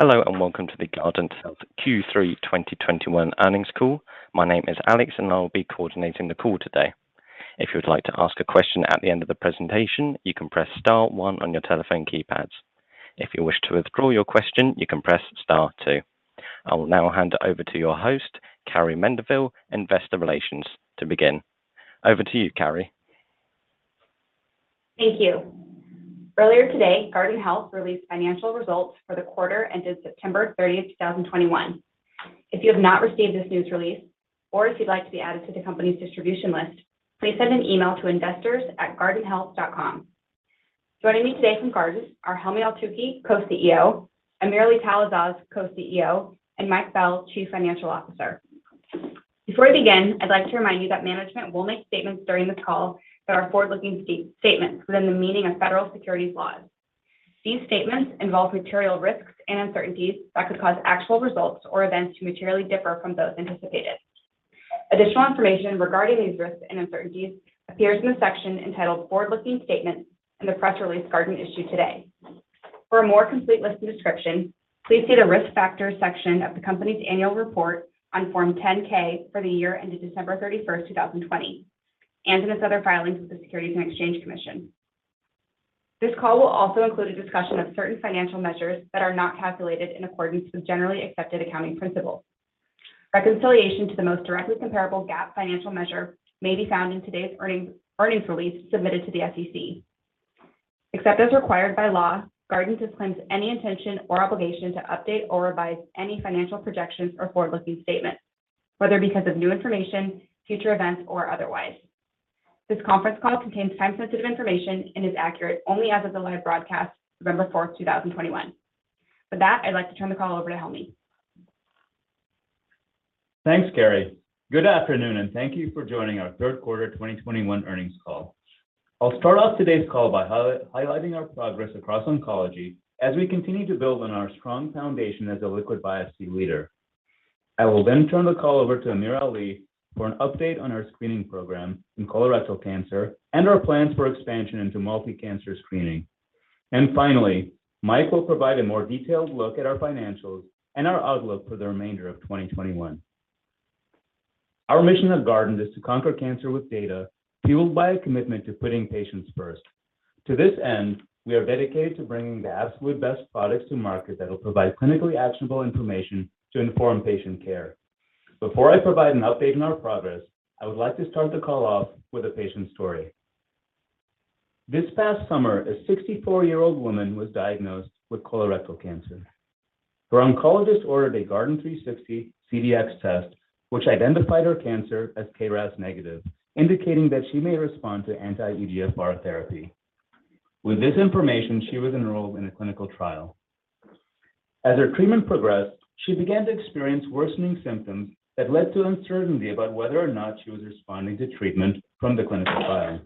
Hello, and welcome to the Guardant Health Q3 2021 Earnings Call. My name is Alex and I will be coordinating the call today. If you would like to ask a question at the end of the presentation, you can press star one on your telephone keypads. If you wish to withdraw your question, you can press star two. I will now hand it over to your host, Carrie Mendivil, investor relations to begin. Over to you, Kari. Thank you. Earlier today, Guardant Health released financial results for the quarter ended September 30, 2021. If you have not received this news release, or if you'd like to be added to the company's distribution list, please send an email to investors@guardanthealth.com. Joining me today from Guardant are Helmy Eltoukhy, Co-CEO, AmirAli Talasaz, Co-CEO, and Mike Bell, Chief Financial Officer. Before we begin, I'd like to remind you that management will make statements during the call that are forward-looking statements within the meaning of federal securities laws. These statements involve material risks and uncertainties that could cause actual results or events to materially differ from those anticipated. Additional information regarding these risks and uncertainties appears in the section entitled Forward-Looking Statements in the press release Guardant issued today. For a more complete list and description, please see the Risk Factors section of the company's annual report on Form 10-K for the year ended December 31, 2020, and in its other filings with the Securities and Exchange Commission. This call will also include a discussion of certain financial measures that are not calculated in accordance with generally accepted accounting principles. Reconciliation to the most directly comparable GAAP financial measure may be found in today's earnings release submitted to the SEC. Except as required by law, Guardant disclaims any intention or obligation to update or revise any financial projections or forward-looking statements, whether because of new information, future events, or otherwise. This conference call contains time-sensitive information and is accurate only as of the live broadcast November 4, 2021. With that, I'd like to turn the call over to Helmy. Thanks, Kari. Good afternoon, and thank you for joining our third quarter 2021 earnings call. I'll start off today's call by highlighting our progress across oncology as we continue to build on our strong foundation as a liquid biopsy leader. I will then turn the call over to Ameer Ali for an update on our screening program in colorectal cancer and our plans for expansion into multi-cancer screening. Finally, Mike will provide a more detailed look at our financials and our outlook for the remainder of 2021. Our mission at Guardant is to conquer cancer with data fueled by a commitment to putting patients first. To this end, we are dedicated to bringing the absolute best products to market that will provide clinically actionable information to inform patient care. Before I provide an update on our progress, I would like to start the call off with a patient story. This past summer, a 64-year-old woman was diagnosed with colorectal cancer. Her oncologist ordered a Guardant360 CDx test, which identified her cancer as KRAS negative, indicating that she may respond to anti-EGFR therapy. With this information, she was enrolled in a clinical trial. As her treatment progressed, she began to experience worsening symptoms that led to uncertainty about whether or not she was responding to treatment from the clinical trial.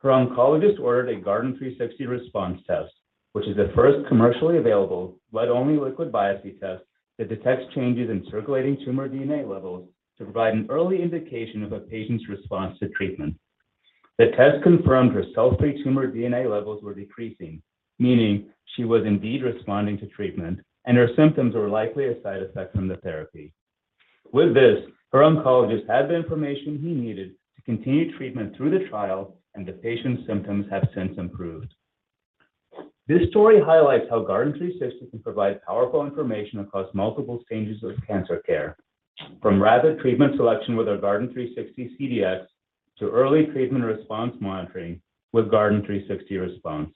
Her oncologist ordered a Guardant360 Response test, which is the first commercially available blood-only liquid biopsy test that detects changes in circulating tumor DNA levels to provide an early indication of a patient's response to treatment. The test confirmed her cell-free tumor DNA levels were decreasing, meaning she was indeed responding to treatment and her symptoms were likely a side effect from the therapy. With this, her oncologist had the information he needed to continue treatment through the trial, and the patient's symptoms have since improved. This story highlights how Guardant360 can provide powerful information across multiple stages of cancer care, from rather treatment selection with our Guardant360 CDx to early treatment response monitoring with Guardant360 Response.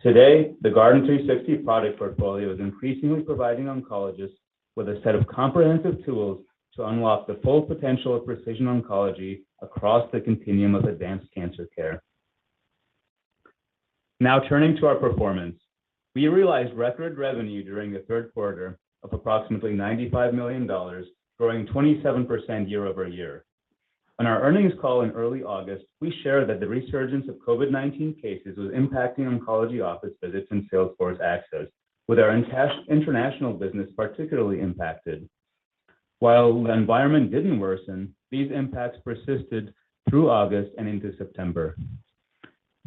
Today, the Guardant360 product portfolio is increasingly providing oncologists with a set of comprehensive tools to unlock the full potential of precision oncology across the continuum of advanced cancer care. Now turning to our performance. We realized record revenue during the third quarter of approximately $95 million, growing 27% year-over-year. On our earnings call in early August, we shared that the resurgence of COVID-19 cases was impacting oncology office visits and sales force access, with our international business particularly impacted. While the environment didn't worsen, these impacts persisted through August and into September.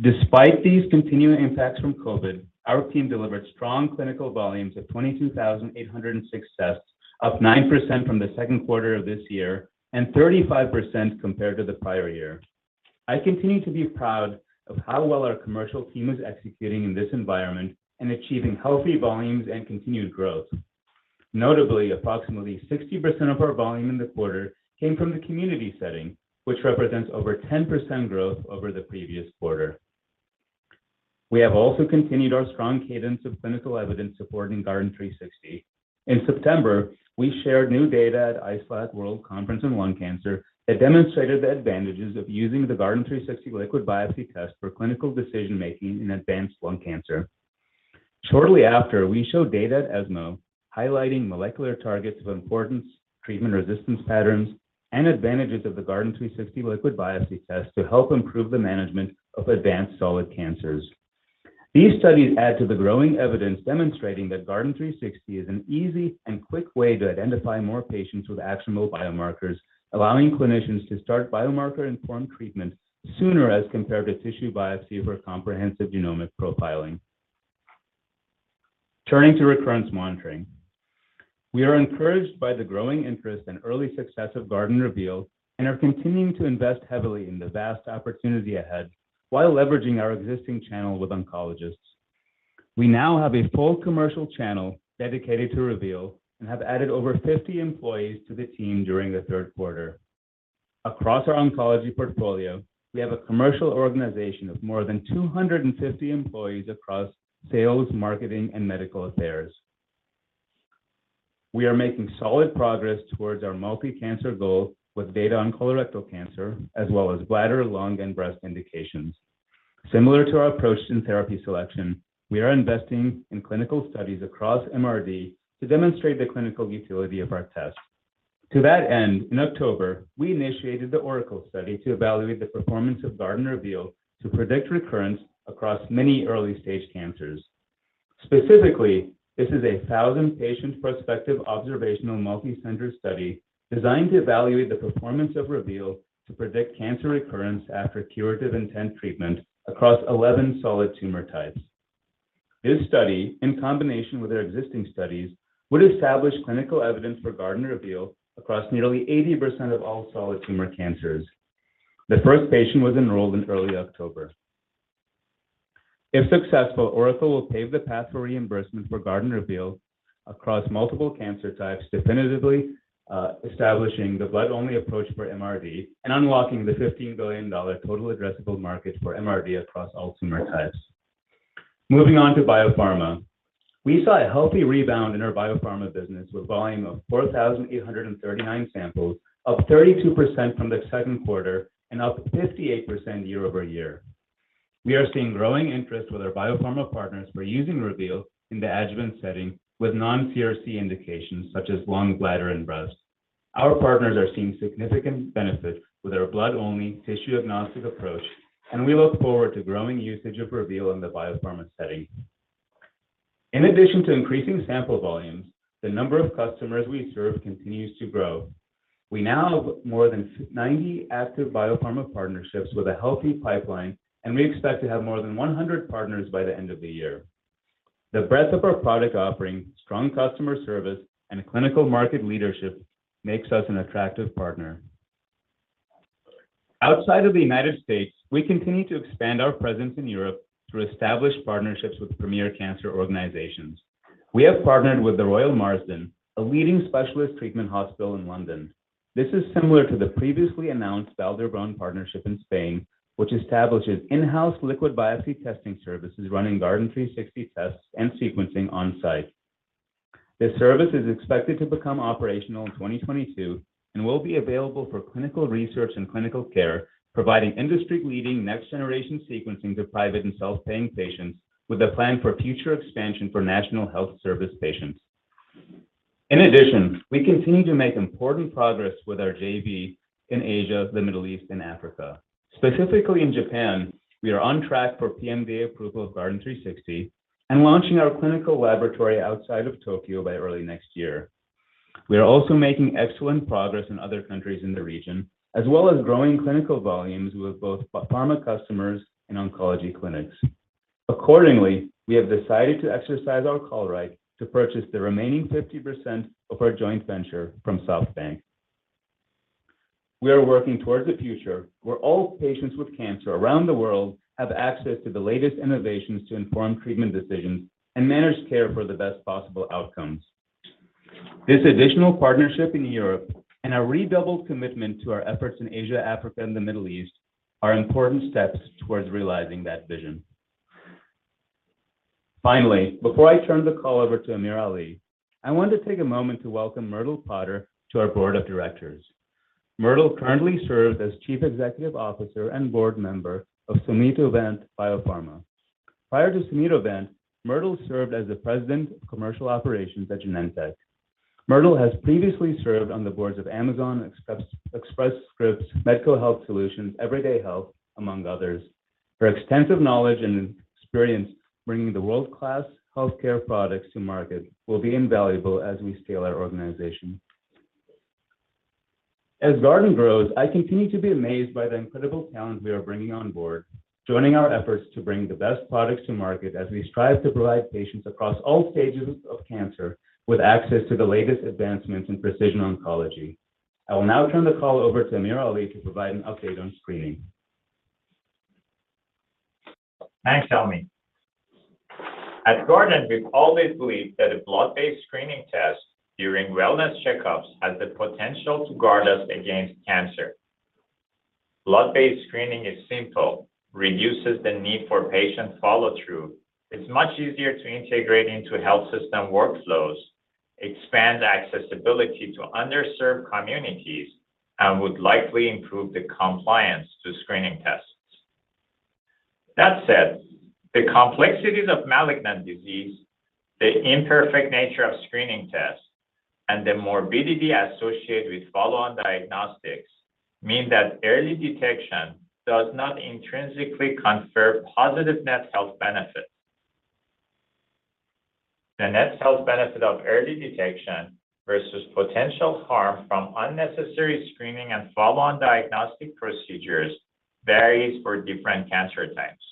Despite these continuing impacts from COVID, our team delivered strong clinical volumes of 22,806 tests, up 9% from the second quarter of this year and 35% compared to the prior year. I continue to be proud of how well our commercial team is executing in this environment and achieving healthy volumes and continued growth. Notably, approximately 60% of our volume in the quarter came from the community setting, which represents over 10% growth over the previous quarter. We have also continued our strong cadence of clinical evidence supporting Guardant360. In September, we shared new data at IASLC World Conference on Lung Cancer that demonstrated the advantages of using the Guardant360 liquid biopsy test for clinical decision-making in advanced lung cancer. Shortly after, we showed data at ESMO highlighting molecular targets of importance, treatment resistance patterns, and advantages of the Guardant360 liquid biopsy test to help improve the management of advanced solid cancers. These studies add to the growing evidence demonstrating that Guardant360 is an easy and quick way to identify more patients with actionable biomarkers, allowing clinicians to start biomarker-informed treatment sooner as compared to tissue biopsy for comprehensive genomic profiling. Turning to recurrence monitoring. We are encouraged by the growing interest and early success of Guardant Reveal and are continuing to invest heavily in the vast opportunity ahead while leveraging our existing channel with oncologists. We now have a full commercial channel dedicated to Reveal and have added over 50 employees to the team during the third quarter. Across our oncology portfolio, we have a commercial organization of more than 250 employees across sales, marketing, and medical affairs. We are making solid progress towards our multi-cancer goal with data on colorectal cancer as well as bladder, lung, and breast indications. Similar to our approach in therapy selection, we are investing in clinical studies across MRD to demonstrate the clinical utility of our tests. To that end, in October, we initiated the ORACLE study to evaluate the performance of Guardant Reveal to predict recurrence across many early-stage cancers. Specifically, this is a 1,000-patient prospective observational multicenter study designed to evaluate the performance of Reveal to predict cancer recurrence after curative intent treatment across 11 solid tumor types. This study, in combination with our existing studies, would establish clinical evidence for Guardant Reveal across nearly 80% of all solid tumor cancers. The first patient was enrolled in early October. If successful, ORACLE will pave the path for reimbursement for Guardant Reveal across multiple cancer types, definitively establishing the blood-only approach for MRD and unlocking the $15 billion total addressable market for MRD across all tumor types. Moving on to biopharma. We saw a healthy rebound in our biopharma business with volume of 4,839 samples, up 32% from the second quarter and up 58% year-over-year. We are seeing growing interest with our biopharma partners for using Reveal in the adjuvant setting with non-CRC indications such as lung, bladder, and breast. Our partners are seeing significant benefits with our blood-only tissue-agnostic approach, and we look forward to growing usage of Reveal in the biopharma setting. In addition to increasing sample volumes, the number of customers we serve continues to grow. We now have more than 90 active biopharma partnerships with a healthy pipeline, and we expect to have more than 100 partners by the end of the year. The breadth of our product offering, strong customer service, and clinical market leadership makes us an attractive partner. Outside of the United States, we continue to expand our presence in Europe through established partnerships with premier cancer organizations. We have partnered with The Royal Marsden, a leading specialist treatment hospital in London. This is similar to the previously announced Vall d'Hebron partnership in Spain, which establishes in-house liquid biopsy testing services running Guardant360 tests and sequencing on-site. This service is expected to become operational in 2022 and will be available for clinical research and clinical care, providing industry-leading next generation sequencing to private and self-paying patients with a plan for future expansion for National Health Service patients. In addition, we continue to make important progress with our JV in Asia, the Middle East, and Africa. Specifically in Japan, we are on track for PMDA approval of Guardant360 and launching our clinical laboratory outside of Tokyo by early next year. We are also making excellent progress in other countries in the region, as well as growing clinical volumes with both biopharma customers and oncology clinics. Accordingly, we have decided to exercise our call right to purchase the remaining 50% of our joint venture from SoftBank. We are working towards a future where all patients with cancer around the world have access to the latest innovations to inform treatment decisions and manage care for the best possible outcomes. This additional partnership in Europe and our redoubled commitment to our efforts in Asia, Africa, and the Middle East are important steps towards realizing that vision. Finally, before I turn the call over to AmirAli, I want to take a moment to welcome Myrtle Potter to our board of directors. Myrtle currently serves as Chief Executive Officer and board member of Sumitovant Biopharma. Prior to Sumitovant, Myrtle served as the President of Commercial Operations at Genentech. Myrtle has previously served on the boards of Amazon, Express Scripts, Medco Health Solutions, Everyday Health, among others. Her extensive knowledge and experience bringing the world-class healthcare products to market will be invaluable as we scale our organization. As Guardant grows, I continue to be amazed by the incredible talent we are bringing on board, joining our efforts to bring the best products to market as we strive to provide patients across all stages of cancer with access to the latest advancements in precision oncology. I will now turn the call over to AmirAli Talasaz to provide an update on screening. Thanks, Helmy. At Guardant, we've always believed that a blood-based screening test during wellness checkups has the potential to guard us against cancer. Blood-based screening is simple, reduces the need for patient follow-through, it's much easier to integrate into health system workflows, expand accessibility to underserved communities, and would likely improve the compliance to screening tests. That said, the complexities of malignant disease, the imperfect nature of screening tests, and the morbidity associated with follow-on diagnostics mean that early detection does not intrinsically confer positive net health benefits. The net health benefit of early detection versus potential harm from unnecessary screening and follow-on diagnostic procedures varies for different cancer types.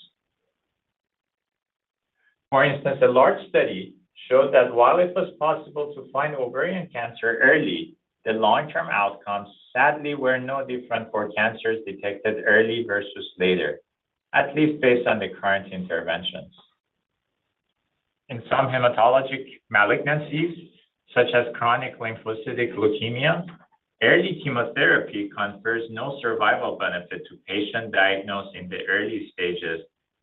For instance, a large study showed that while it was possible to find ovarian cancer early, the long-term outcomes sadly were no different for cancers detected early versus later, at least based on the current interventions. In some hematologic malignancies, such as chronic lymphocytic leukemia, early chemotherapy confers no survival benefit to patients diagnosed in the early stages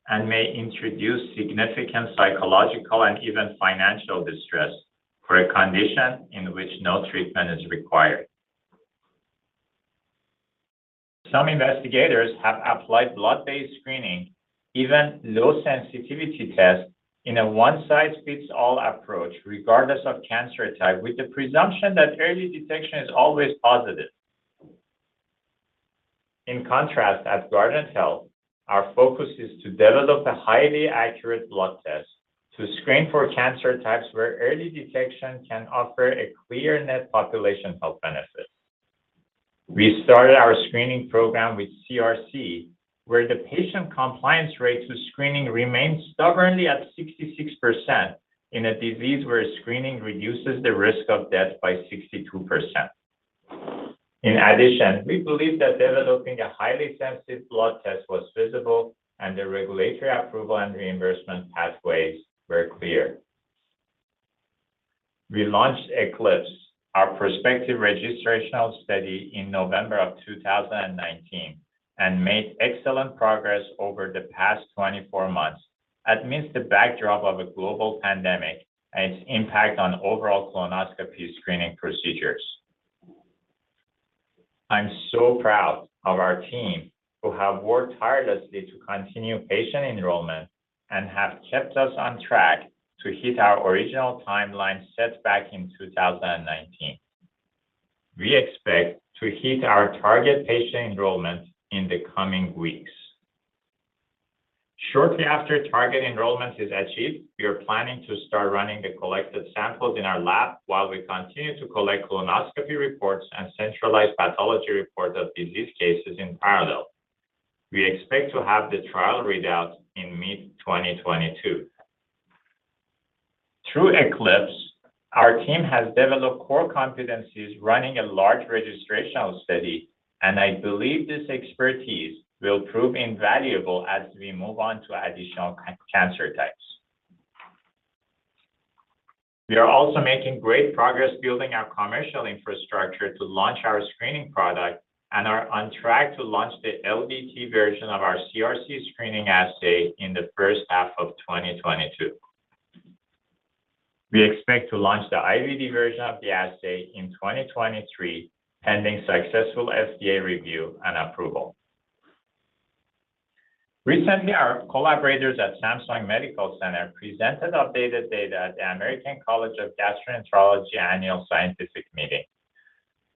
and may introduce significant psychological and even financial distress for a condition in which no treatment is required. Some investigators have applied blood-based screening, even low sensitivity tests, in a one-size-fits-all approach regardless of cancer type, with the presumption that early detection is always positive. In contrast, at Guardant Health, our focus is to develop a highly accurate blood test to screen for cancer types where early detection can offer a clear net population health benefit. We started our screening program with CRC, where the patient compliance rate to screening remains stubbornly at 66% in a disease where screening reduces the risk of death by 62%. In addition, we believe that developing a highly sensitive blood test was feasible, and the regulatory approval and reimbursement pathways were clear. We launched ECLIPSE, our prospective registrational study, in November 2019 and made excellent progress over the past 24 months amidst the backdrop of a global pandemic and its impact on overall colonoscopy screening procedures. I'm so proud of our team who have worked tirelessly to continue patient enrollment and have kept us on track to hit our original timeline set back in 2019. We expect to hit our target patient enrollment in the coming weeks. Shortly after target enrollment is achieved, we are planning to start running the collected samples in our lab while we continue to collect colonoscopy reports and centralized pathology reports of disease cases in parallel. We expect to have the trial readouts in mid-2022. Through ECLIPSE, our team has developed core competencies running a large registrational study, and I believe this expertise will prove invaluable as we move on to additional cancer types. We are also making great progress building our commercial infrastructure to launch our screening product and are on track to launch the LDT version of our CRC screening assay in the first half of 2022. We expect to launch the IVD version of the assay in 2023, pending successful FDA review and approval. Recently, our collaborators at Samsung Medical Center presented updated data at the American College of Gastroenterology annual scientific meeting.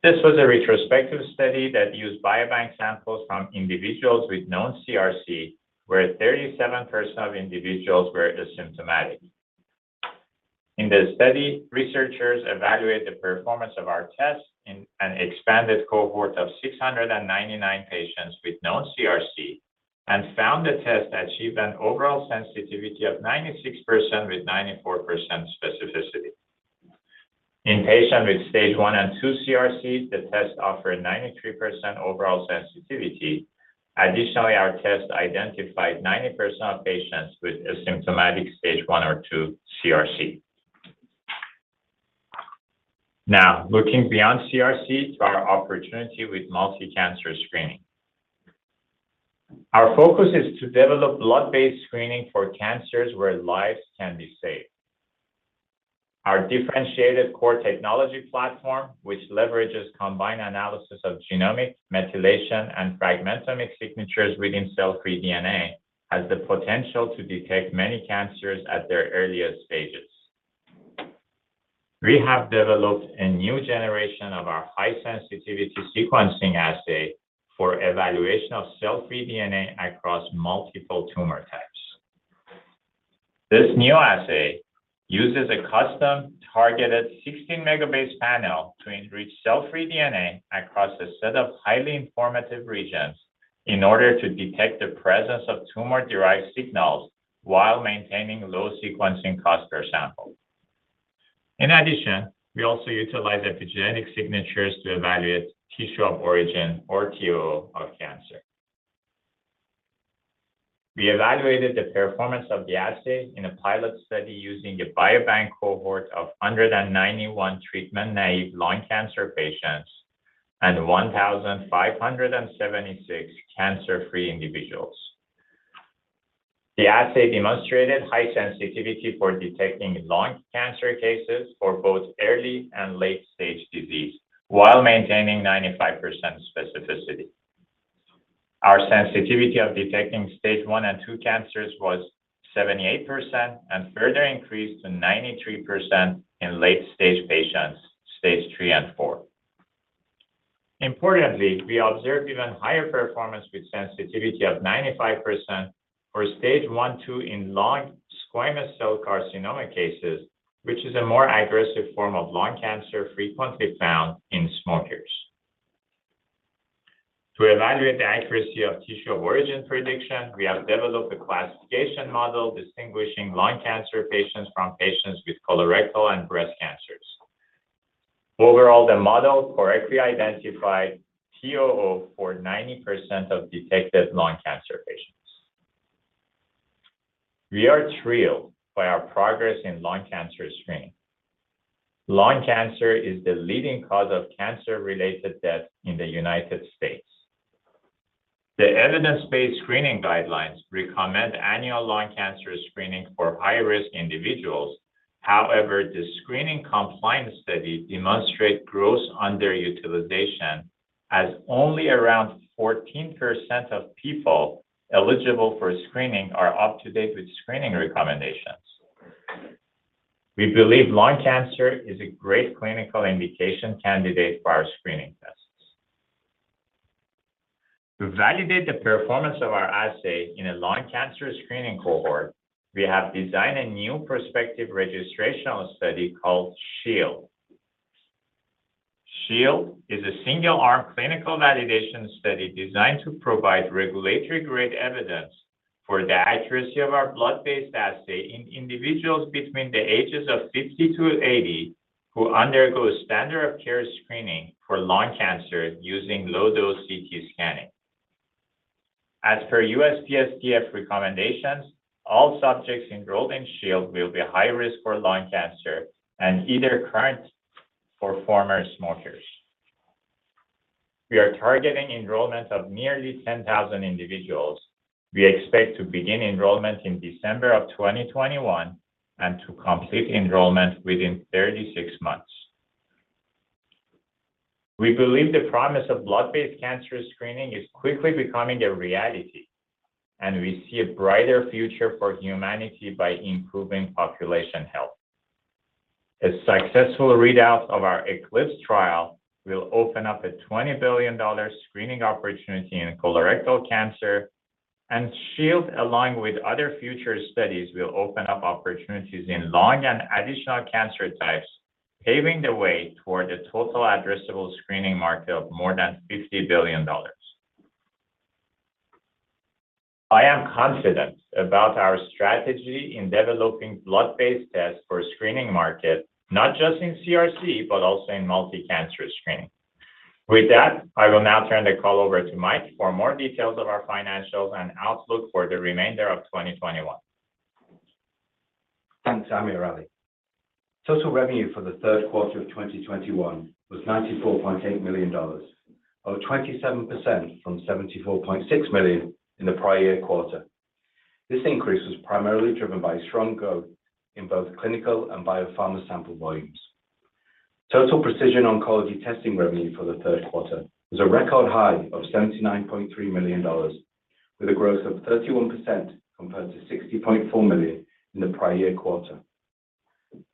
This was a retrospective study that used biobank samples from individuals with known CRC, where 37% of individuals were asymptomatic. In the study, researchers evaluated the performance of our test in an expanded cohort of 699 patients with known CRC and found the test achieved an overall sensitivity of 96% with 94% specificity. In patients with stage one and two CRCs, the test offered 93% overall sensitivity. Additionally, our test identified 90% of patients with asymptomatic stage one or two CRC. Now, looking beyond CRC to our opportunity with multi-cancer screening. Our focus is to develop blood-based screening for cancers where lives can be saved. Our differentiated core technology platform, which leverages combined analysis of genomic, methylation, and fragmentomic signatures within cell-free DNA, has the potential to detect many cancers at their earliest stages. We have developed a new generation of our high-sensitivity sequencing assay for evaluation of cell-free DNA across multiple tumor types. This new assay uses a custom targeted 16 megabase panel to enrich cell-free DNA across a set of highly informative regions in order to detect the presence of tumor-derived signals while maintaining low sequencing cost per sample. In addition, we also utilize epigenetic signatures to evaluate tissue of origin or TO of cancer. We evaluated the performance of the assay in a pilot study using a biobank cohort of 191 treatment-naive lung cancer patients and 1,576 cancer-free individuals. The assay demonstrated high sensitivity for detecting lung cancer cases for both early and late-stage disease while maintaining 95% specificity. Our sensitivity of detecting stage one and two cancers was 78% and further increased to 93% in late-stage patients, stage three and four. Importantly, we observed even higher performance with sensitivity of 95% for stage I-II in lung squamous cell carcinoma cases, which is a more aggressive form of lung cancer frequently found in smokers. To evaluate the accuracy of tissue of origin prediction, we have developed a classification model distinguishing lung cancer patients from patients with colorectal and breast cancers. Overall, the model correctly identified TOO for 90% of detected lung cancer patients. We are thrilled by our progress in lung cancer screening. Lung cancer is the leading cause of cancer-related death in the United States. The evidence-based screening guidelines recommend annual lung cancer screening for high-risk individuals. However, the screening compliance study demonstrate gross underutilization as only around 14% of people eligible for screening are up to date with screening recommendations. We believe lung cancer is a great clinical indication candidate for our screening tests. To validate the performance of our assay in a lung cancer screening cohort, we have designed a new prospective registrational study called SHIELD. SHIELD is a single-arm clinical validation study designed to provide regulatory-grade evidence for the accuracy of our blood-based assay in individuals between the ages of 50-80 who undergo standard of care screening for lung cancer using low-dose CT scanning. As per USPSTF recommendations, all subjects enrolled in SHIELD will be high risk for lung cancer and either current or former smokers. We are targeting enrollment of nearly 10,000 individuals. We expect to begin enrollment in December 2021 and to complete enrollment within 36 months. We believe the promise of blood-based cancer screening is quickly becoming a reality, and we see a brighter future for humanity by improving population health. A successful readout of our ECLIPSE trial will open up a $20 billion screening opportunity in colorectal cancer and SHIELD, along with other future studies, will open up opportunities in lung and additional cancer types, paving the way toward a total addressable screening market of more than $50 billion. I am confident about our strategy in developing blood-based tests for screening market, not just in CRC, but also in multi-cancer screening. With that, I will now turn the call over to Mike for more details of our financials and outlook for the remainder of 2021. Thanks, AmirAli. Total revenue for the third quarter of 2021 was $94.8 million, up 27% from $74.6 million in the prior year quarter. This increase was primarily driven by strong growth in both clinical and biopharma sample volumes. Total precision oncology testing revenue for the third quarter was a record high of $79.3 million, with a growth of 31% compared to $60.4 million in the prior year quarter.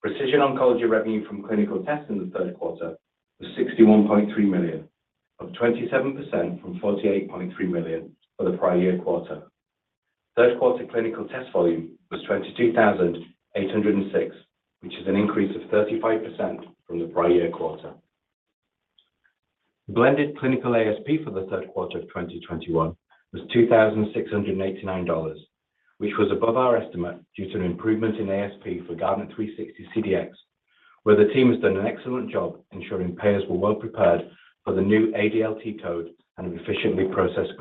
Precision oncology revenue from clinical tests in the third quarter was $61.3 million, up 27% from $48.3 million for the prior year quarter. Third quarter clinical test volume was 22,806, which is an increase of 35% from the prior year quarter. Blended clinical ASP for the third quarter of 2021 was $2,689, which was above our estimate due to an improvement in ASP for Guardant360 CDx, where the team has done an excellent job ensuring payers were well prepared for the new ADLT code and have efficiently processed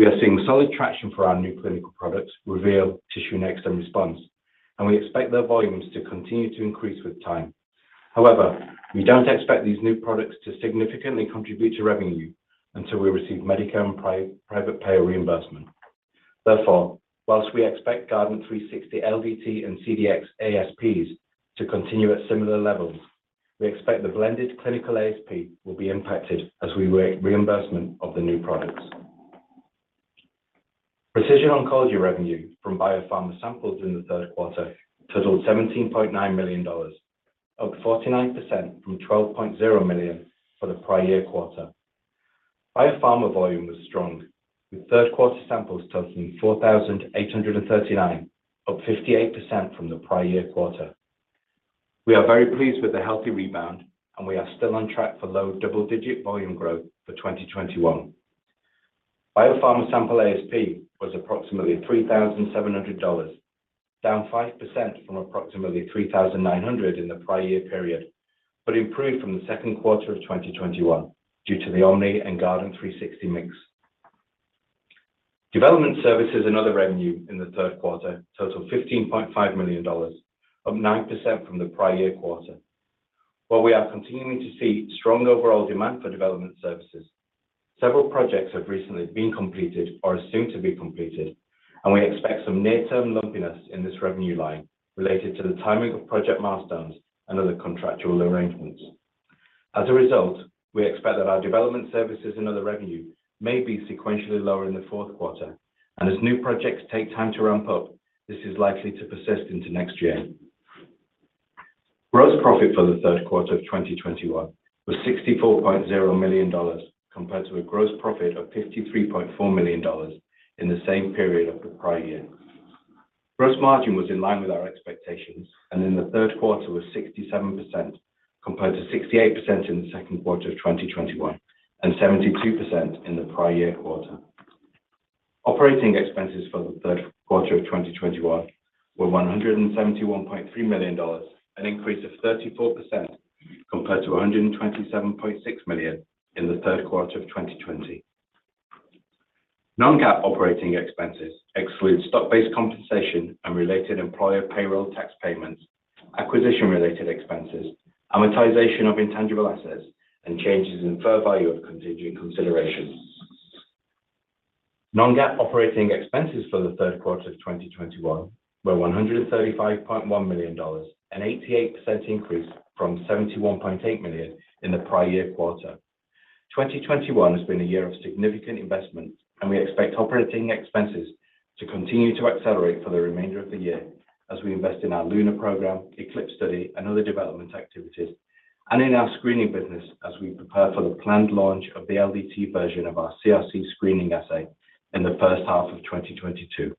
claims. We are seeing solid traction for our new clinical products, Reveal, TissueNext, and Response, and we expect their volumes to continue to increase with time. However, we don't expect these new products to significantly contribute to revenue until we receive Medicare and private payer reimbursement. Therefore, whilst we expect Guardant360 LDT and CDx ASPs to continue at similar levels, we expect the blended clinical ASP will be impacted as we await reimbursement of the new products. Precision oncology revenue from biopharma samples in the third quarter totaled $17.9 million, up 49% from $12.0 million for the prior year quarter. Biopharma volume was strong, with third quarter samples totaling 4,839, up 58% from the prior year quarter. We are very pleased with the healthy rebound, and we are still on track for low double-digit volume growth for 2021. Biopharma sample ASP was approximately $3,700, down 5% from approximately $3,900 in the prior year period, but improved from the second quarter of 2021 due to the Omni and Guardant360 mix. Development services and other revenue in the third quarter totaled $15.5 million, up 9% from the prior year quarter. While we are continuing to see strong overall demand for development services, several projects have recently been completed or are soon to be completed, and we expect some near-term lumpiness in this revenue line related to the timing of project milestones and other contractual arrangements. As a result, we expect that our development services and other revenue may be sequentially lower in the fourth quarter, and as new projects take time to ramp up, this is likely to persist into next year. Gross profit for the third quarter of 2021 was $64.0 million compared to a gross profit of $53.4 million in the same period of the prior year. Gross margin was in line with our expectations, and in the third quarter was 67% compared to 68% in the second quarter of 2021 and 72% in the prior year quarter. Operating expenses for the third quarter of 2021 were $171.3 million, an increase of 34% compared to $127.6 million in the third quarter of 2020. Non-GAAP operating expenses exclude stock-based compensation and related employer payroll tax payments, acquisition-related expenses, amortization of intangible assets, and changes in fair value of contingent consideration. Non-GAAP operating expenses for the third quarter of 2021 were $135.1 million, an 88% increase from $71.8 million in the prior year quarter. 2021 has been a year of significant investment, and we expect operating expenses to continue to accelerate for the remainder of the year as we invest in our LUNAR program, ECLIPSE study, and other development activities, and in our screening business as we prepare for the planned launch of the LDT version of our CRC screening assay in the first half of 2022.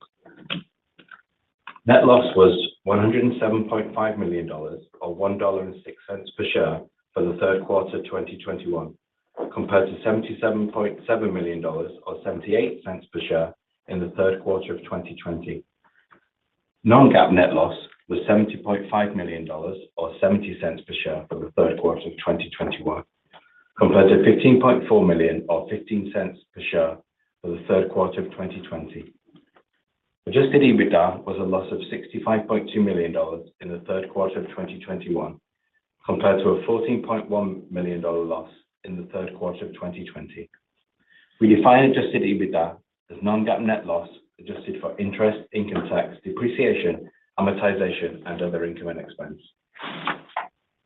Net loss was $107.5 million, or $1.06 per share for the third quarter of 2021, compared to $77.7 million, or $0.78 per share in the third quarter of 2020. Non-GAAP net loss was $70.5 million or $0.70 per share for the third quarter of 2021, compared to $15.4 million or $0.15 per share for the third quarter of 2020. Adjusted EBITDA was a loss of $65.2 million in the third quarter of 2021, compared to a $14.1 million loss in the third quarter of 2020. We define adjusted EBITDA as non-GAAP net loss adjusted for interest, income tax, depreciation, amortization, and other income and expense.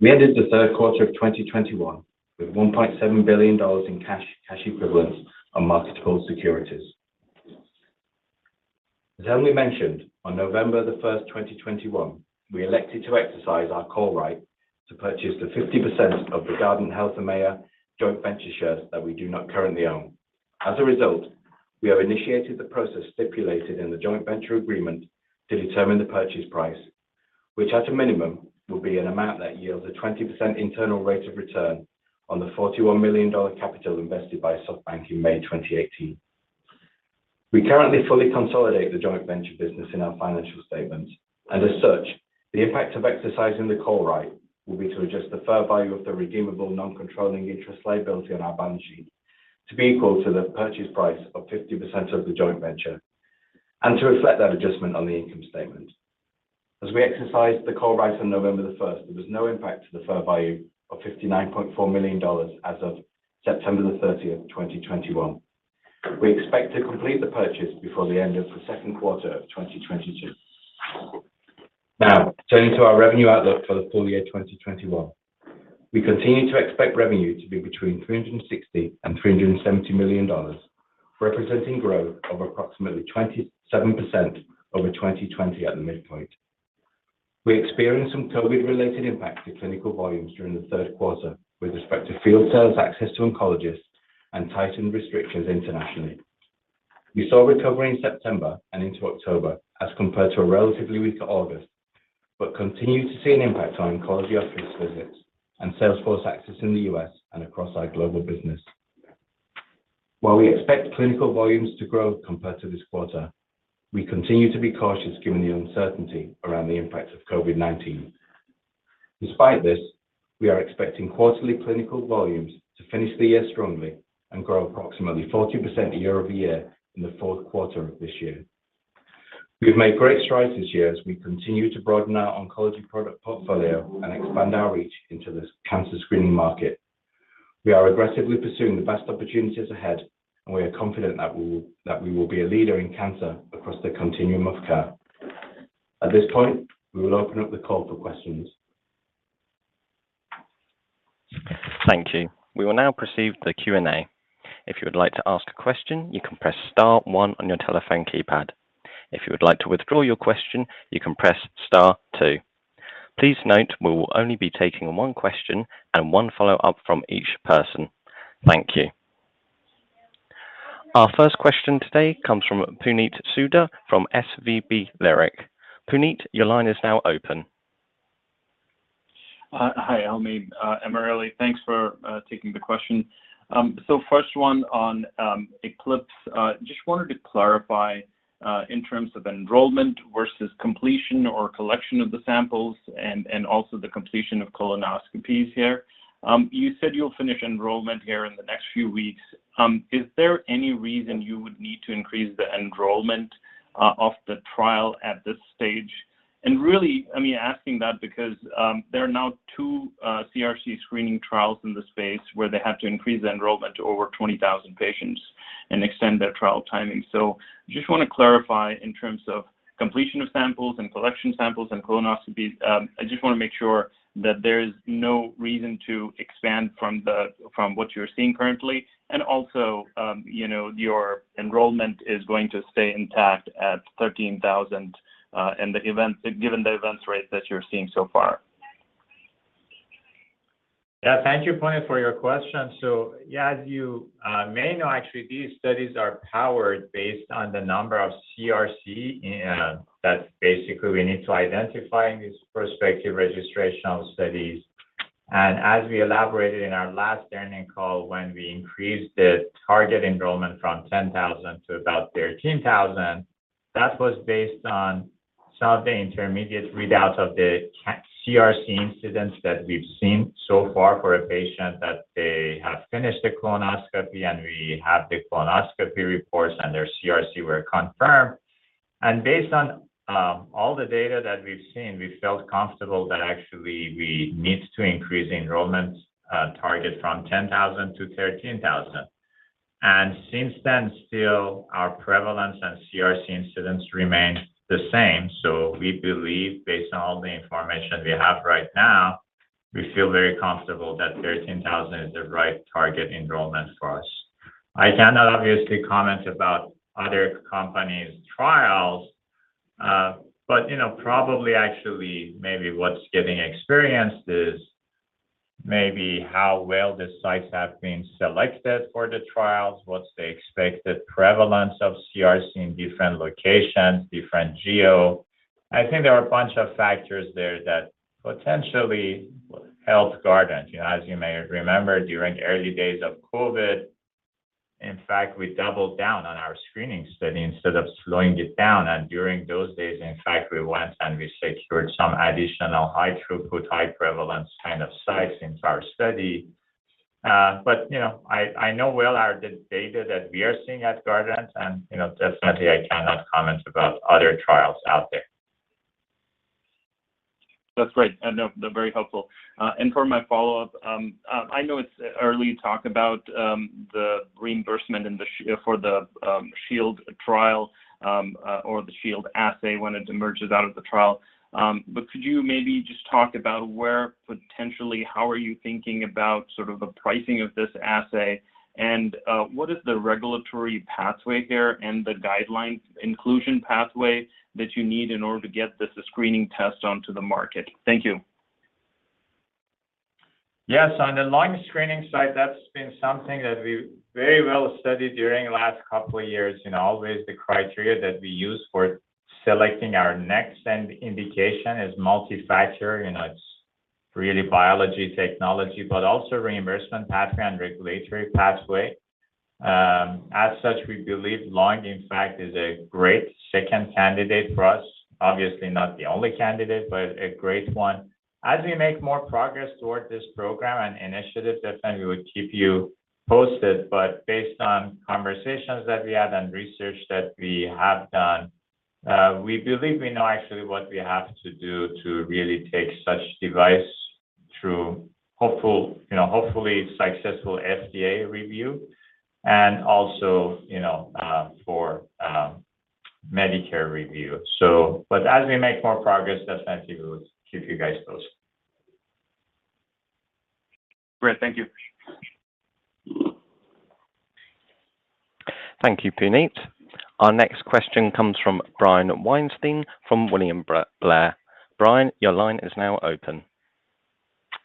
We ended the third quarter of 2021 with $1.7 billion in cash equivalents, and marketable securities. As Helmy mentioned, on November 1, 2021, we elected to exercise our call right to purchase the 50% of the Guardant Health AMEA joint venture shares that we do not currently own. As a result, we have initiated the process stipulated in the joint venture agreement to determine the purchase price, which at a minimum will be an amount that yields a 20% internal rate of return on the $41 million capital invested by SoftBank in May 2018. We currently fully consolidate the joint venture business in our financial statements, and as such, the effect of exercising the call right will be to adjust the fair value of the redeemable non-controlling interest liability on our balance sheet to be equal to the purchase price of 50% of the joint venture and to reflect that adjustment on the income statement. As we exercised the call right on November 1, there was no impact to the fair value of $59.4 million as of September 30, 2021. We expect to complete the purchase before the end of the second quarter of 2022. Now, turning to our revenue outlook for the full year 2021. We continue to expect revenue to be between $360 million and $370 million, representing growth of approximately 27% over 2020 at the midpoint. We experienced some COVID-related impacts to clinical volumes during the third quarter with respect to field sales access to oncologists and tightened restrictions internationally. We saw a recovery in September and into October as compared to a relatively weaker August, but continue to see an impact on oncology office visits and sales force access in the U.S. and across our global business. While we expect clinical volumes to grow compared to this quarter, we continue to be cautious given the uncertainty around the impact of COVID-19. Despite this, we are expecting quarterly clinical volumes to finish the year strongly and grow approximately 40% year-over-year in the fourth quarter of this year. We have made great strides this year as we continue to broaden our oncology product portfolio and expand our reach into this cancer screening market. We are aggressively pursuing the best opportunities ahead, and we are confident that we will be a leader in cancer across the continuum of care. At this point, we will open up the call for questions. Thank you. We will now proceed to the Q&A. If you would like to ask a question, you can press star one on your telephone keypad. If you would like to withdraw your question, you can press star two. Please note we will only be taking one question and one follow-up from each person. Thank you. Our first question today comes from Puneet Souda from SVB Leerink. Puneet, your line is now open. Hi, Helmy. Emma Early. Thanks for taking the question. First one on ECLIPSE. Just wanted to clarify in terms of enrollment versus completion or collection of the samples and also the completion of colonoscopies here. You said you'll finish enrollment here in the next few weeks. Is there any reason you would need to increase the enrollment of the trial at this stage? Really, I mean, asking that because there are now two CRC screening trials in the space where they have to increase the enrollment to over 20,000 patients and extend their trial timing. Just wanna clarify in terms of completion of samples and collection samples and colonoscopies. I just wanna make sure that there is no reason to expand from what you're seeing currently. You know, your enrollment is going to stay intact at 13,000, and given the event rate that you're seeing so far. Yeah. Thank you, Puneet, for your question. Yeah, as you may know, actually, these studies are powered based on the number of CRC and that basically we need to identify in these prospective registrational studies. As we elaborated in our last earnings call, when we increased the target enrollment from 10,000 to about 13,000, that was based on some of the intermediate readouts of the CRC incidence that we've seen so far for patients that have finished the colonoscopy, and we have the colonoscopy reports, and their CRC were confirmed. Based on all the data that we've seen, we felt comfortable that actually we need to increase enrollment target from 10,000 to 13,000. Since then, still, our prevalence and CRC incidence remain the same, so we believe based on all the information we have right now, we feel very comfortable that 13,000 is the right target enrollment for us. I cannot obviously comment about other companies' trials, but, you know, probably actually maybe what's getting experienced is maybe how well the sites have been selected for the trials, what's the expected prevalence of CRC in different locations, different geo. I think there are a bunch of factors there that potentially helped Guardant. You know, as you may remember, during early days of COVID, in fact, we doubled down on our screening study instead of slowing it down. During those days, in fact, we went and we secured some additional high-throughput, high prevalence kind of sites into our study. You know, I know well the data that we are seeing at Guardant, and you know, definitely I cannot comment about other trials out there. That's great. No, they're very helpful. For my follow-up, I know it's early to talk about the reimbursement in the SHIELD for the SHIELD trial, or the SHIELD assay when it emerges out of the trial, but could you maybe just talk about where potentially how are you thinking about sort of the pricing of this assay, and what is the regulatory pathway here and the guidelines inclusion pathway that you need in order to get this screening test onto the market? Thank you. Yes. On the lung screening side, that's been something that we very well studied during last couple of years. You know, always the criteria that we use for selecting our next indication is multifactor. You know, it's really biology technology, but also reimbursement pathway and regulatory pathway. As such, we believe lung, in fact, is a great second candidate for us. Obviously, not the only candidate, but a great one. As we make more progress toward this program and initiative, definitely we would keep you posted. But based on conversations that we had and research that we have done, we believe we know actually what we have to do to really take such device through hopefully successful FDA review and also, you know, for Medicare review. As we make more progress, definitely we will keep you guys posted. Great. Thank you. Thank you, Puneet. Our next question comes from Brian Weinstein from William Blair. Brian, your line is now open.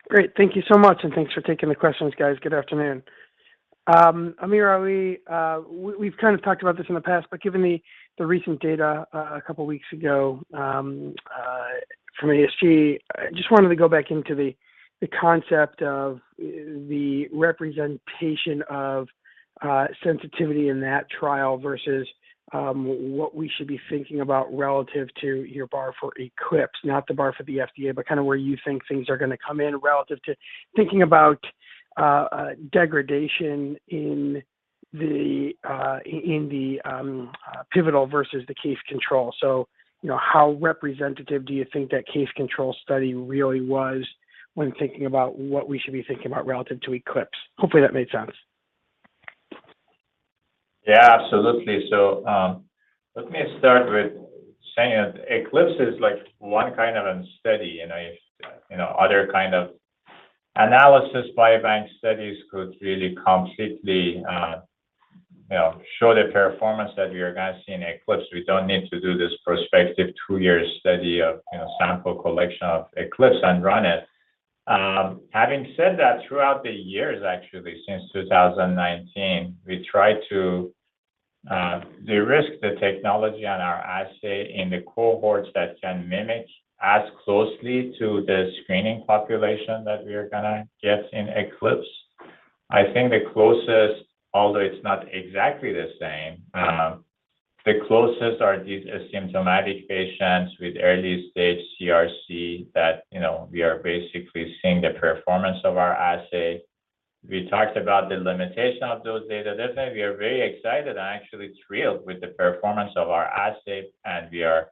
Great. Thank you so much, and thanks for taking the questions, guys. Good afternoon. AmirAli, we've kind of talked about this in the past, but given the recent data a couple of weeks ago from ACG, I just wanted to go back into the concept of the representation of sensitivity in that trial versus what we should be thinking about relative to your bar for ECLIPSE, not the bar for the FDA, but kind of where you think things are gonna come in relative to thinking about degradation in the pivotal versus the case control. You know, how representative do you think that case control study really was when thinking about what we should be thinking about relative to ECLIPSE? Hopefully, that made sense. Yeah, absolutely. Let me start with saying that Eclipse is like one kind of study. You know, if you know, other kind of analysis, biobank studies could really completely you know, show the performance that we are gonna see in Eclipse. We don't need to do this prospective two-year study of you know, sample collection of Eclipse and run it. Having said that, throughout the years actually, since 2019, we tried to derisk the technology on our assay in the cohorts that can mimic as closely to the screening population that we are gonna get in Eclipse. I think the closest, although it's not exactly the same, are these asymptomatic patients with early-stage CRC that you know, we are basically seeing the performance of our assay. We talked about the limitation of those data. Definitely we are very excited and actually thrilled with the performance of our assay, and we are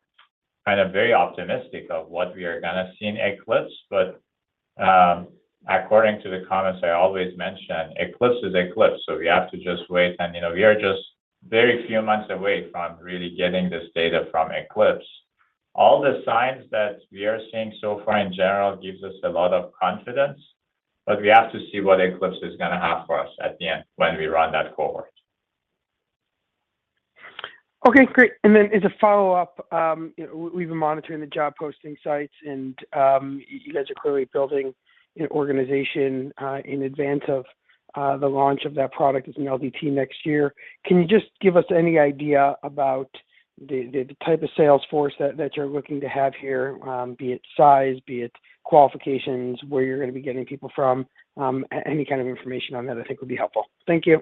kind of very optimistic of what we are gonna see in ECLIPSE. According to the comments I always mention, ECLIPSE is ECLIPSE, so we have to just wait. You know, we are just very few months away from really getting this data from ECLIPSE. All the signs that we are seeing so far in general gives us a lot of confidence, but we have to see what ECLIPSE is gonna have for us at the end when we run that cohort. Okay, great. As a follow-up, you know, we've been monitoring the job posting sites, and you guys are clearly building an organization in advance of the launch of that product in LDT next year. Can you just give us any idea about the type of sales force that you're looking to have here, be it size, be it qualifications, where you're gonna be getting people from, any kind of information on that I think would be helpful. Thank you.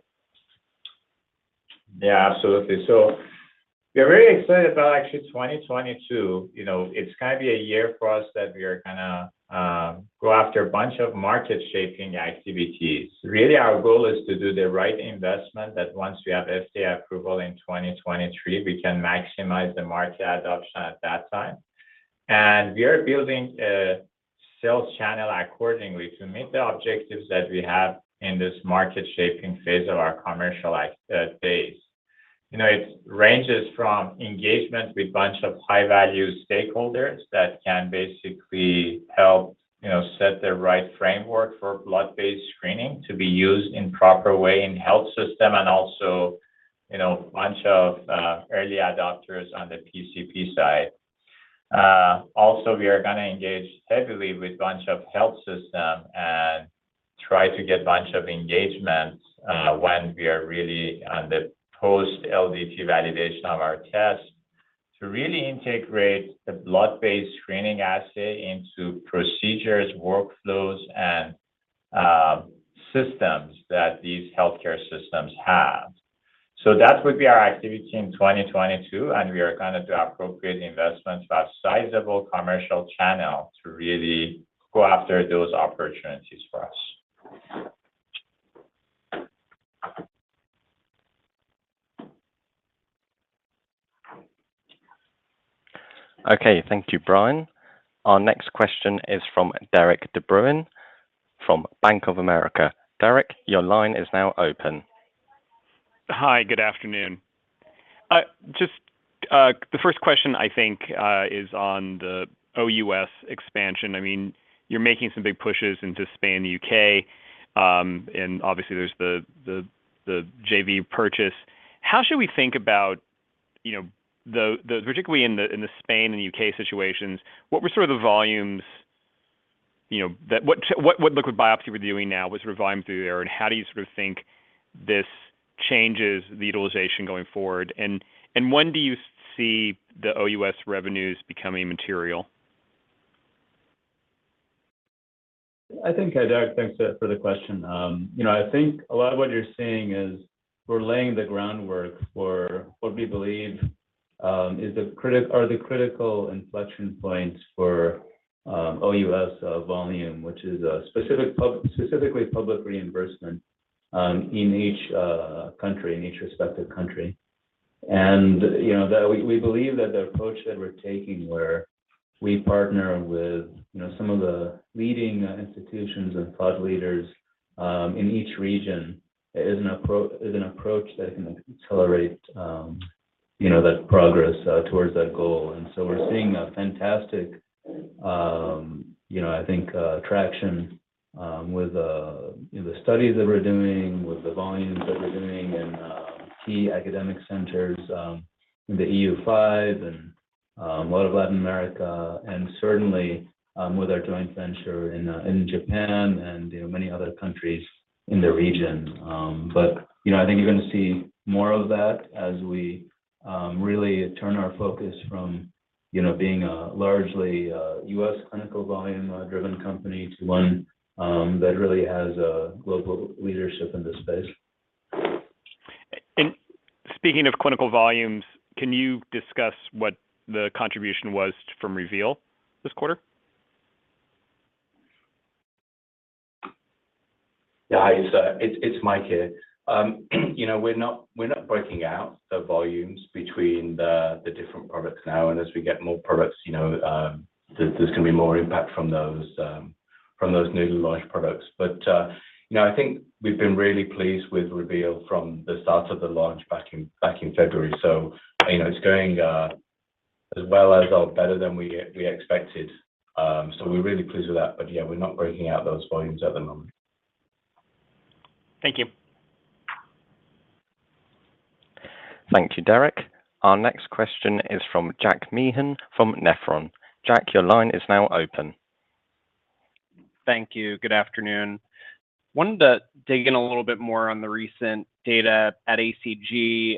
Yeah, absolutely. We're very excited about actually 2022. You know, it's gonna be a year for us that we are gonna go after a bunch of market-shaping activities. Really, our goal is to do the right investment that once we have FDA approval in 2023, we can maximize the market adoption at that time. We are building a sales channel accordingly to meet the objectives that we have in this market-shaping phase of our commercial phase. You know, it ranges from engagement with bunch of high-value stakeholders that can basically help, you know, set the right framework for blood-based screening to be used in proper way in health system and also, you know, bunch of early adopters on the PCP side. Also, we are gonna engage heavily with bunch of health systems and try to get bunch of engagements when we are really on the post LDT validation of our test to really integrate the blood-based screening assay into procedures, workflows, and systems that these healthcare systems have. That would be our activity in 2022, and we are gonna do appropriate investment to have sizable commercial channel to really go after those opportunities for us. Okay. Thank you, Brian. Our next question is from Derik DeBruin from Bank of America. Derek, your line is now open. Hi. Good afternoon. Just the first question I think is on the OUS expansion. I mean, you're making some big pushes into Spain and the U.K., and obviously there's the JV purchase. How should we think about, you know, the-- particularly in the Spain and U.K. situations, what were sort of the volumes, you know, that liquid biopsy we're doing now, what's revenue through there, and how do you sort of think this changes the utilization going forward? And when do you see the OUS revenues becoming material? I think, Derik, thanks for the question. You know, I think a lot of what you're seeing is we're laying the groundwork for what we believe are the critical inflection points for OUS volume, which is specifically public reimbursement in each country, in each respective country. You know, that we believe that the approach that we're taking where we partner with you know, some of the leading institutions and thought leaders in each region is an approach that can accelerate you know, the progress towards that goal. We're seeing a fantastic, you know, I think, traction with you know, the studies that we're doing, with the volumes that we're doing in key academic centers in the EU five and a lot of Latin America and certainly with our joint venture in Japan and you know, many other countries in the region. You know, I think you're gonna see more of that as we really turn our focus from you know, being a largely U.S. clinical volume driven company to one that really has a global leadership in this space. Speaking of clinical volumes, can you discuss what the contribution was from Reveal this quarter? Yeah. Hi, so it's Mike here. You know, we're not breaking out the volumes between the different products now. As we get more products, you know, there's gonna be more impact from those newly launched products. You know, I think we've been really pleased with Reveal from the start of the launch back in February. You know, it's going as well as or better than we expected. We're really pleased with that. Yeah, we're not breaking out those volumes at the moment. Thank you. Thank you, Derik. Our next question is from Jack Meehan from Nephron. Jack, your line is now open. Thank you. Good afternoon. I wanted to dig in a little bit more on the recent data at ACG,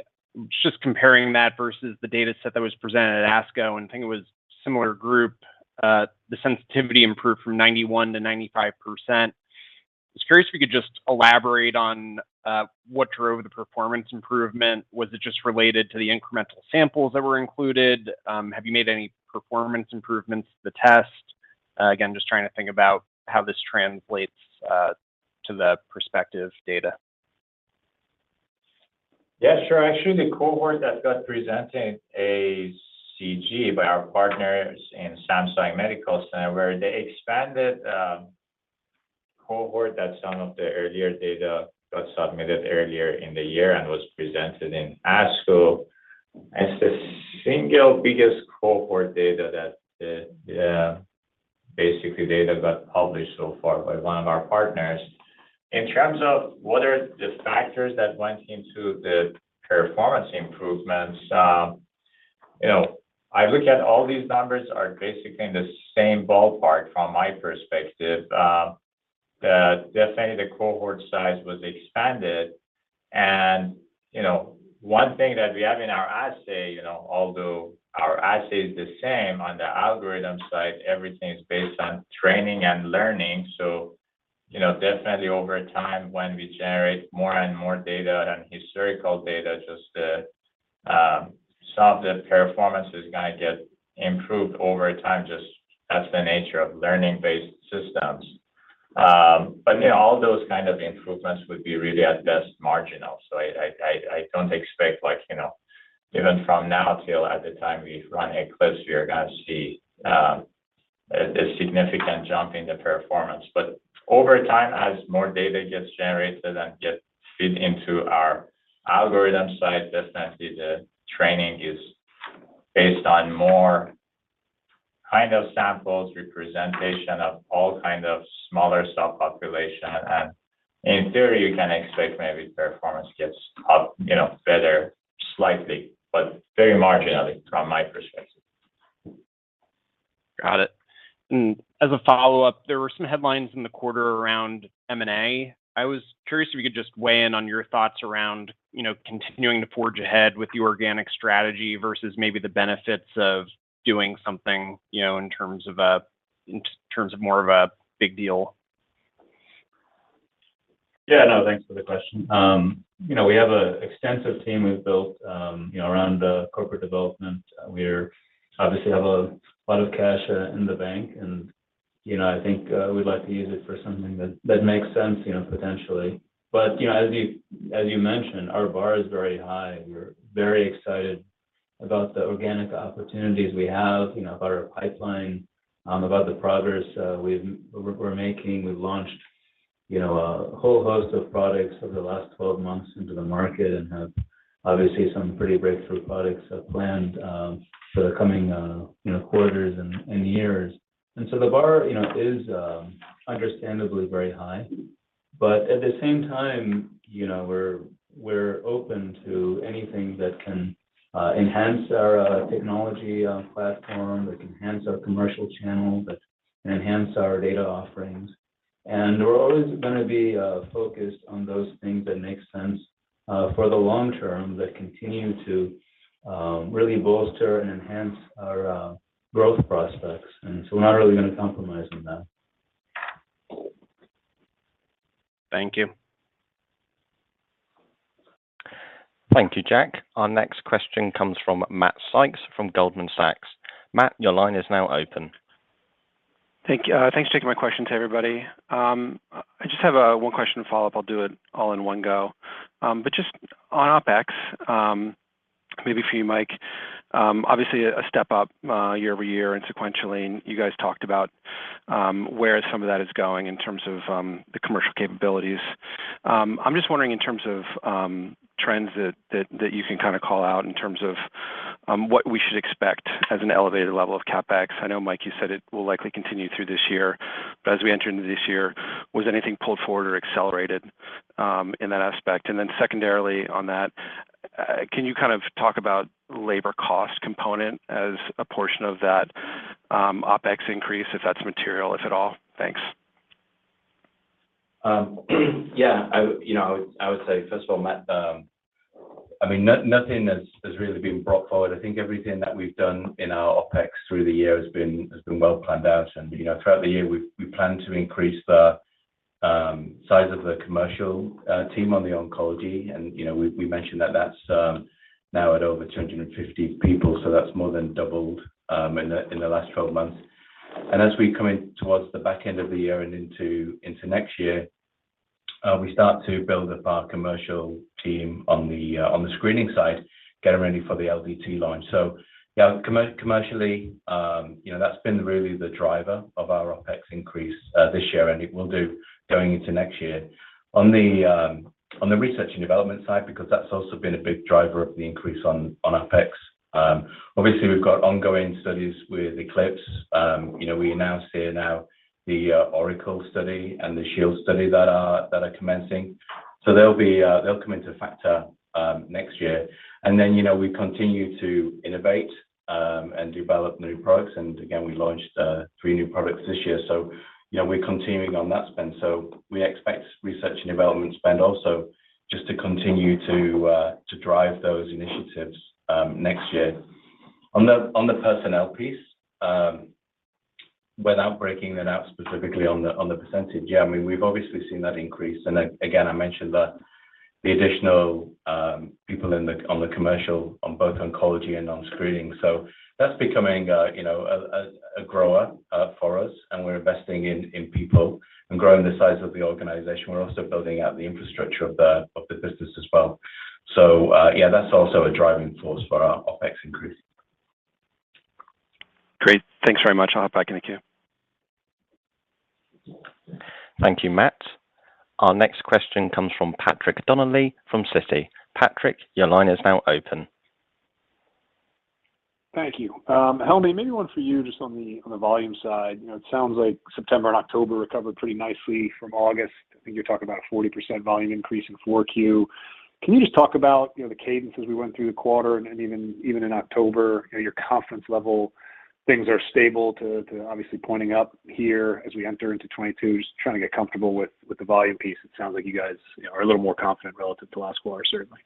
just comparing that versus the data set that was presented at ASCO, and I think it was similar group. The sensitivity improved from 91%-95%. I was curious if you could just elaborate on what drove the performance improvement. Was it just related to the incremental samples that were included? Have you made any performance improvements to the test? Again, just trying to think about how this translates to the prospective data. Yeah, sure. Actually, the cohort that got presented ACG by our partners in Samsung Medical Center, where they expanded a cohort that some of the earlier data got submitted earlier in the year and was presented in ASCO, it's the single biggest cohort data that basically data got published so far by one of our partners. In terms of what are the factors that went into the performance improvements, you know, I look at all these numbers are basically in the same ballpark from my perspective. Definitely the cohort size was expanded and, you know, one thing that we have in our assay, you know, although our assay is the same on the algorithm side, everything is based on training and learning. You know, definitely over time when we generate more and more data and historical data just so the performance is gonna get improved over time. That's the nature of learning-based systems. You know, all those kind of improvements would be really at best marginal. I don't expect like, you know, even from now till at the time we run ECLIPSE, we are gonna see a significant jump in the performance. Over time, as more data gets generated and get fit into our algorithm side, definitely the training is based on more kind of samples, representation of all kind of smaller subpopulation. In theory, you can expect maybe performance gets up, you know, better slightly, but very marginally from my perspective. Got it. As a follow-up, there were some headlines in the quarter around M&A. I was curious if you could just weigh in on your thoughts around, you know, continuing to forge ahead with the organic strategy versus maybe the benefits of doing something, you know, in terms of more of a big deal? Yeah, no, thanks for the question. You know, we have an extensive team we've built, you know, around corporate development. We obviously have a lot of cash in the bank and, you know, I think, we'd like to use it for something that makes sense, you know, potentially. You know, as you mentioned, our bar is very high. We're very excited about the organic opportunities we have, you know, about our pipeline, about the progress we're making. We've launched, you know, a whole host of products over the last 12 months into the market and have obviously some pretty breakthrough products planned for the coming quarters and years. The bar, you know, is understandably very high, but at the same time, you know, we're open to anything that can enhance our technology platform, that enhance our commercial channel, that enhance our data offerings. We're always gonna be focused on those things that make sense for the long term that continue to really bolster and enhance our growth prospects. We're not really gonna compromise on that. Thank you. Thank you, Jack. Our next question comes from Matt Sykes from Goldman Sachs. Matt, your line is now open. Thank you. Thanks for taking my question to everybody. I just have one question to follow up. I'll do it all in one go. Just on OpEx, maybe for you, Mike, obviously a step up year-over-year and sequentially, and you guys talked about where some of that is going in terms of the commercial capabilities. I'm just wondering in terms of trends that you can kind of call out in terms of what we should expect as an elevated level of CapEx. I know, Mike, you said it will likely continue through this year, but as we enter into this year, was anything pulled forward or accelerated in that aspect? Secondarily on that, can you kind of talk about labor cost component as a portion of that, OpEx increase, if that's material, if at all? Thanks. Yeah, I would say, first of all, Matt, I mean, nothing has really been brought forward. I think everything that we've done in our OpEx through the year has been well planned out. You know, throughout the year, we plan to increase the size of the commercial team on the oncology. You know, we mentioned that that's now at over 250 people, so that's more than doubled in the last twelve months. As we come in towards the back end of the year and into next year, we start to build up our commercial team on the screening side, getting ready for the LDT launch. Yeah, commercially, you know, that's been really the driver of our OpEx increase this year, and it will too going into next year. On the research and development side, because that's also been a big driver of the increase on OpEx. Obviously we've got ongoing studies with ECLIPSE. You know, we announced earlier the ORACLE study and the SHIELD study that are commencing. They'll be, they'll come into effect next year. You know, we continue to innovate and develop new products. Again, we launched 3 new products this year. You know, we're continuing on that spend. We expect research and development spend also just to continue to drive those initiatives next year. On the personnel piece, without breaking that out specifically on the percentage, yeah, I mean, we've obviously seen that increase. Again, I mentioned the additional people on the commercial on both oncology and on screening. That's becoming, you know, a grower for us, and we're investing in people and growing the size of the organization. We're also building out the infrastructure of the business as well. Yeah, that's also a driving force for our OpEx increase. Great. Thanks very much. I'll hop back in the queue. Thank you, Matt. Our next question comes from Patrick Donnelly from Citi. Patrick, your line is now open. Thank you. Helmy, maybe one for you just on the volume side. You know, it sounds like September and October recovered pretty nicely from August. I think you're talking about a 40% volume increase in Q4. Can you just talk about, you know, the cadence as we went through the quarter and even in October, you know, your confidence level, things are stable to obviously pointing up here as we enter into 2022. Just trying to get comfortable with the volume piece. It sounds like you guys, you know, are a little more confident relative to last quarter, certainly.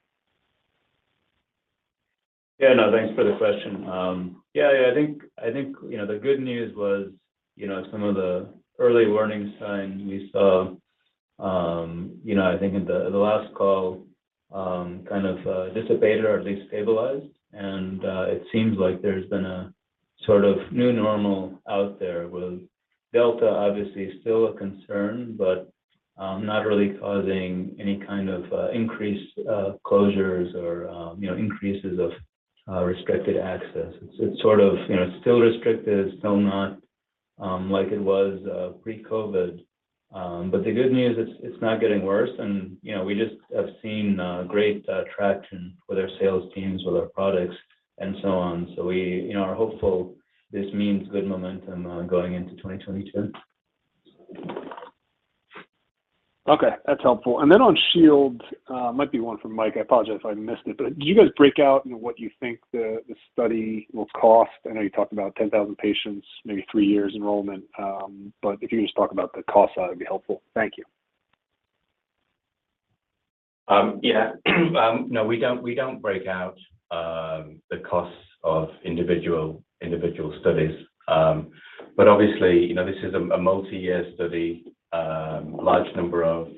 Yeah, no, thanks for the question. Yeah, I think you know, the good news was you know, some of the early warning signs we saw you know, I think at the last call kind of dissipated or at least stabilized. It seems like there's been a sort of new normal out there with Delta obviously still a concern, but not really causing any kind of increased closures or increases of restricted access. It's sort of you know, it's still restricted, it's still not like it was pre-COVID. But the good news, it's not getting worse. You know, we just have seen great traction with our sales teams, with our products and so on. We, you know, are hopeful this means good momentum going into 2022. Okay. That's helpful. On Shield, might be one for Mike, I apologize if I missed it, but do you guys break out, you know, what you think the study will cost? I know you talked about 10,000 patients, maybe three years enrollment. But if you could just talk about the cost side, that'd be helpful. Thank you. Yeah. No, we don't break out the costs of individual studies. Obviously, you know, this is a multi-year study, large number of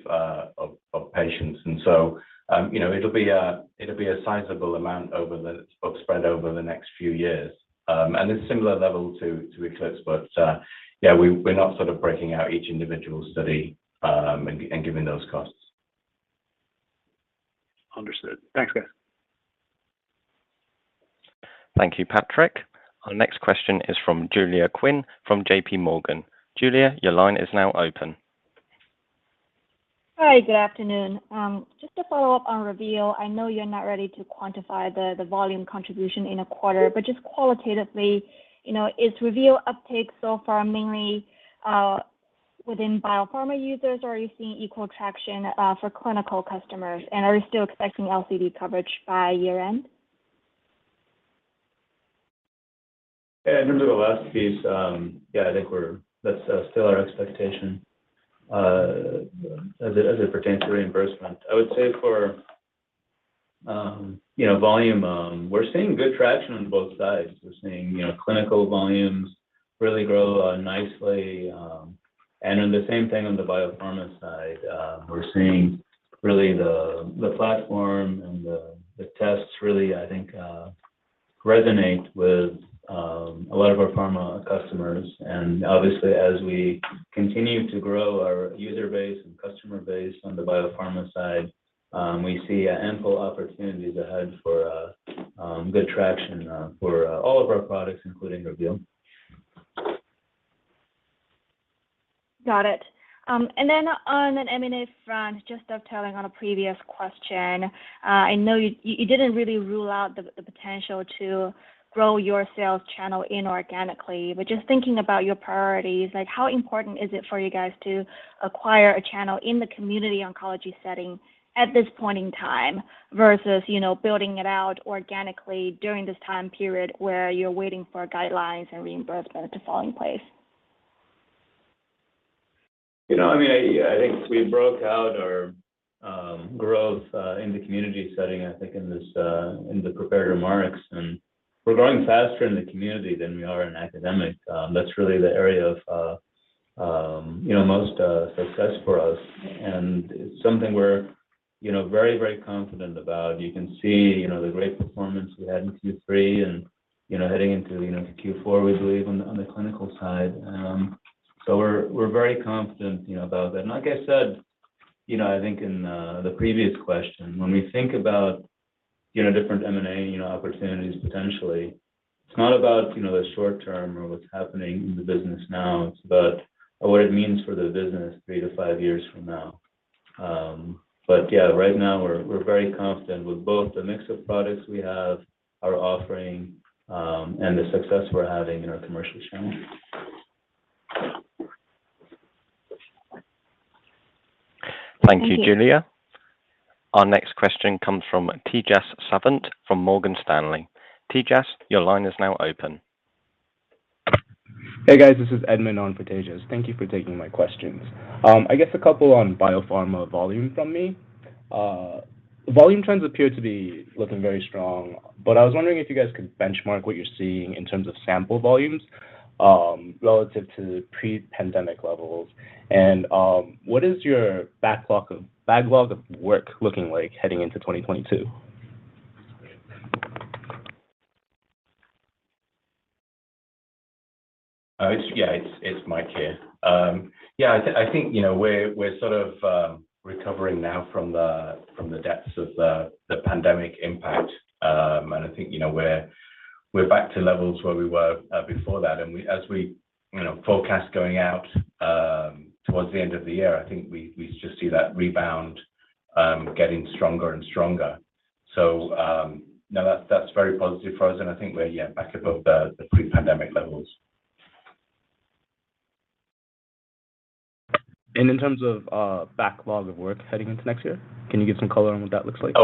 patients. You know, it'll be a sizable amount or spread over the next few years. It's similar level to Eclipse. Yeah, we're not sort of breaking out each individual study and giving those costs. Understood. Thanks, guys. Thank you, Patrick. Our next question is from Julia Qin from JP Morgan. Julia, your line is now open. Hi, good afternoon. Just to follow up on Reveal, I know you're not ready to quantify the volume contribution in a quarter, but just qualitatively, you know, is Reveal uptake so far mainly within biopharma users or are you seeing equal traction for clinical customers? Are you still expecting LCD coverage by year end? In terms of the last piece, I think that's still our expectation as it pertains to reimbursement. I would say for you know, volume, we're seeing good traction on both sides. We're seeing you know, clinical volumes really grow nicely, and then the same thing on the biopharma side. We're seeing really the platform and the tests really I think resonate with a lot of our pharma customers. Obviously as we continue to grow our user base and customer base on the biopharma side, we see ample opportunities ahead for good traction for all of our products, including Reveal. Got it. On an M&A front, just dovetailing on a previous question, I know you didn't really rule out the potential to grow your sales channel inorganically. Just thinking about your priorities, like how important is it for you guys to acquire a channel in the community oncology setting at this point in time versus, you know, building it out organically during this time period where you're waiting for guidelines and reimbursement to fall in place? You know, I mean, I think we broke out our growth in the community setting, I think in this in the prepared remarks, and we're growing faster in the community than we are in academic. That's really the area of you know most success for us. It's something we're you know very very confident about. You can see you know the great performance we had in Q3 and you know heading into you know Q4 we believe on the on the clinical side. We're very confident you know about that. Like I said you know I think in the previous question, when we think about you know different M&A you know opportunities potentially, it's not about you know the short term or what's happening in the business now. It's about what it means for the business 3-5 years from now. Yeah, right now we're very confident with both the mix of products we have, our offering, and the success we're having in our commercial channel. Thank you. Thank you, Julia. Our next question comes from Tejas Savant from Morgan Stanley. Tejas, your line is now open. Hey guys, this is Edmund on for Tejas. Thank you for taking my questions. I guess a couple on biopharma volume from me. Volume trends appear to be looking very strong, but I was wondering if you guys could benchmark what you're seeing in terms of sample volumes, relative to pre-pandemic levels. What is your backlog of work looking like heading into 2022? It's Mike here. Yeah, I think, you know, we're sort of recovering now from the depths of the pandemic impact. I think, you know, we're We're back to levels where we were before that. As we, you know, forecast going out towards the end of the year, I think we just see that rebound getting stronger and stronger. No, that's very positive for us, and I think we're yeah back above the pre-pandemic levels. In terms of backlog of work heading into next year, can you give some color on what that looks like?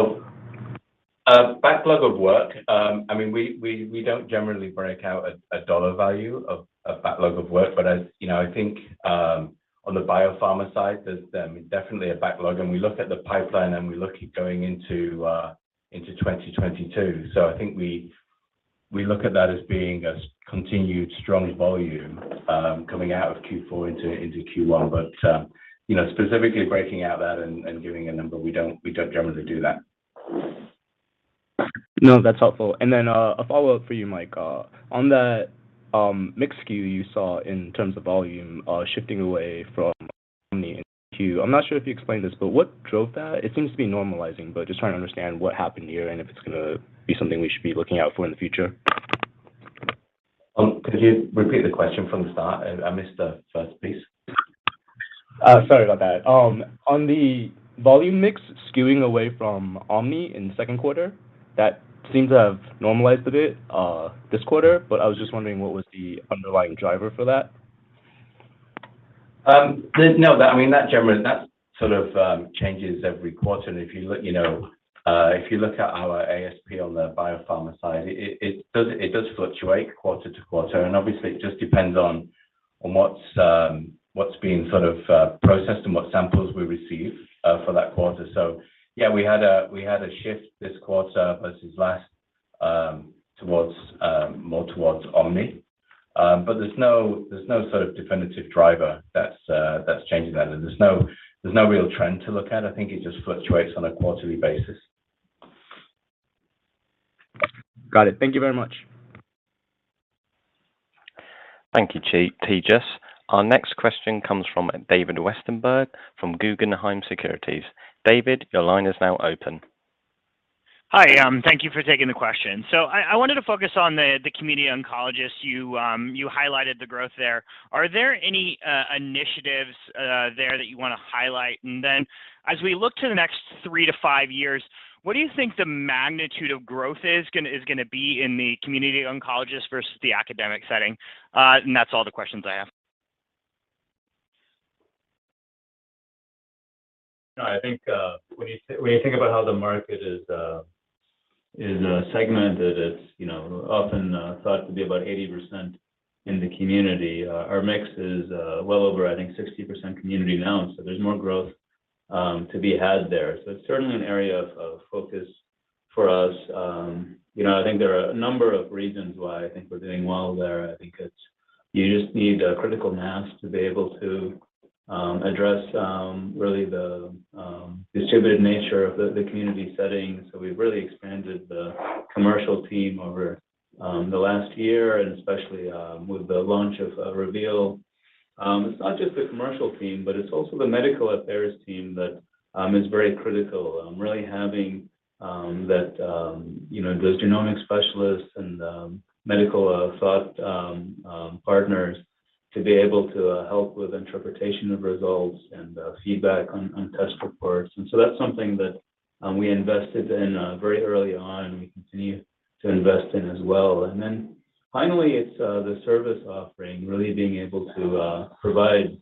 Backlog of work, I mean, we don't generally break out a dollar value of backlog of work. As you know, I think, on the biopharma side, there's definitely a backlog. We look at the pipeline, and we look at going into 2022. I think we look at that as being a continued strong volume coming out of Q4 into Q1. You know, specifically breaking out that and giving a number, we don't generally do that. No, that's helpful. A follow-up for you, Mike. On that, mix SKU you saw in terms of volume, shifting away from GuardantOMNI in Q2, I'm not sure if you explained this, but what drove that? It seems to be normalizing, but just trying to understand what happened here and if it's gonna be something we should be looking out for in the future. Could you repeat the question from the start? I missed the first piece. Sorry about that. On the volume mix skewing away from GuardantOMNI in the second quarter, that seems to have normalized a bit, this quarter, but I was just wondering what was the underlying driver for that? That sort of changes every quarter. If you look at our ASP on the biopharma side, it does fluctuate quarter to quarter. Obviously it just depends on what's been sort of processed and what samples we receive for that quarter. Yeah, we had a shift this quarter versus last towards more GuardantOMNI. There's no sort of definitive driver that's changing that. There's no real trend to look at. I think it just fluctuates on a quarterly basis. Got it. Thank you very much. Thank you, Edmund. Our next question comes from David Westenberg from Guggenheim Securities. David, your line is now open. Hi, thank you for taking the question. I wanted to focus on the community oncologists. You highlighted the growth there. Are there any initiatives there that you wanna highlight? Then as we look to the next 3-5 years, what do you think the magnitude of growth is gonna be in the community oncologists versus the academic setting? That's all the questions I have. I think when you think about how the market is segmented, it's you know often thought to be about 80% in the community. Our mix is well over I think 60% community now, so there's more growth to be had there. It's certainly an area of focus for us. You know I think there are a number of reasons why I think we're doing well there. I think it's you just need a critical mass to be able to address really the distributed nature of the community setting. We've really expanded the commercial team over the last year and especially with the launch of Reveal. It's not just the commercial team, but it's also the medical affairs team that is very critical in really having that you know those genomic specialists and medical thought partners to be able to help with interpretation of results and feedback on test reports. That's something that we invested in very early on, and we continue to invest in as well. Finally, it's the service offering, really being able to provide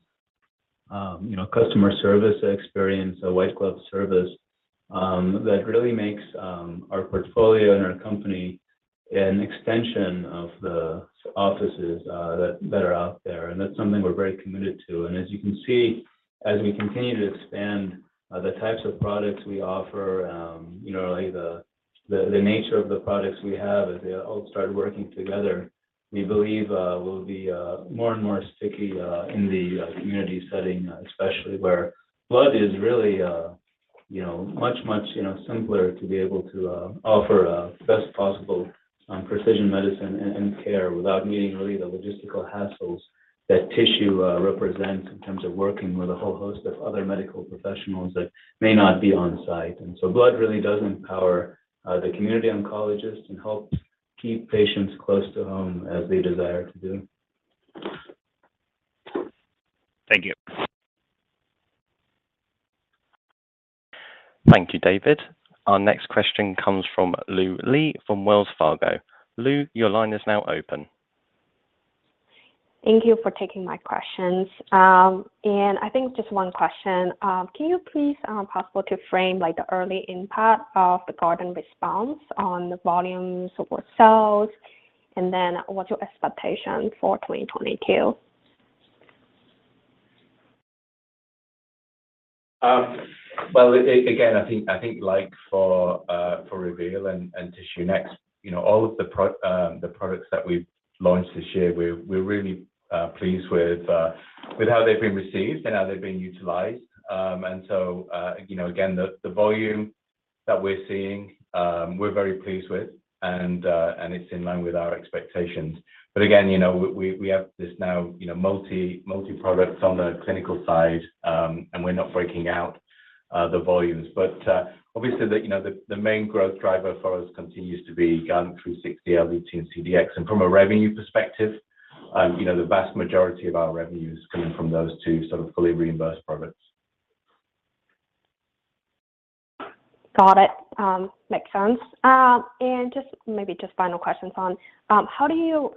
you know customer service experience, a white glove service that really makes our portfolio and our company an extension of the offices that are out there. That's something we're very committed to. As you can see, as we continue to expand, the types of products we offer, you know, like the nature of the products we have as they all start working together, we believe, we'll be more and more sticky in the community setting, especially where blood is really, you know, much, much, you know, simpler to be able to offer a best possible precision medicine and care without needing really the logistical hassles that tissue represents in terms of working with a whole host of other medical professionals that may not be on site. Blood really does empower the community oncologists and helps keep patients close to home as they desire to do. Thank you. Thank you, David. Our next question comes from Lu Li from Wells Fargo. Lu, your line is now open. Thank you for taking my questions. I think just one question. Can you please possibly to frame like the early impact of the Guardant360 Response on the volumes of what sells, and then what's your expectation for 2022? Well, again, I think like for Reveal and TissueNext, you know, all of the products that we've launched this year, we're really pleased with how they've been received and how they've been utilized. You know, again, the volume that we're seeing, we're very pleased with and it's in line with our expectations. Again, you know, we have this now, you know, multi-products on the clinical side, and we're not breaking out the volumes. Obviously, you know, the main growth driver for us continues to be Guardant360, LDT, and CDx. From a revenue perspective You know, the vast majority of our revenue is coming from those two sort of fully reimbursed products. Got it. Makes sense. Just maybe final question, Sean. How do you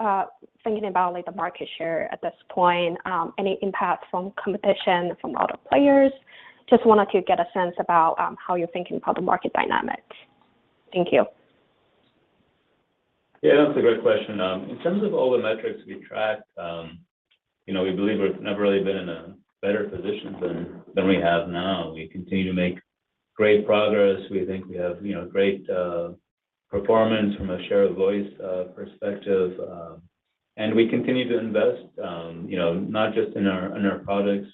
thinking about, like, the market share at this point, any impact from competition from other players? Just wanted to get a sense about how you're thinking about the market dynamics. Thank you. Yeah, that's a great question. In terms of all the metrics we track, you know, we believe we've never really been in a better position than we have now. We continue to make great progress. We think we have, you know, great performance from a share of voice perspective. We continue to invest, you know, not just in our products,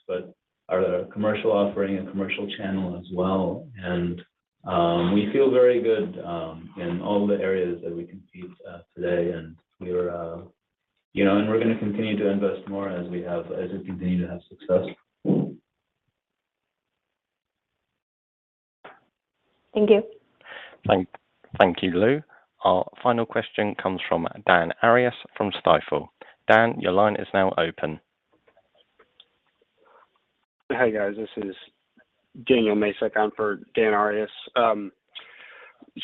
but our commercial offering and commercial channel as well. We feel very good in all the areas that we compete today. We're gonna continue to invest more as we continue to have success. Thank you. Thank you, Lu. Our final question comes from Dan Arias from Stifel. Dan, your line is now open. Hey, guys. This is Daniel Mesa. I'm for Dan Arias.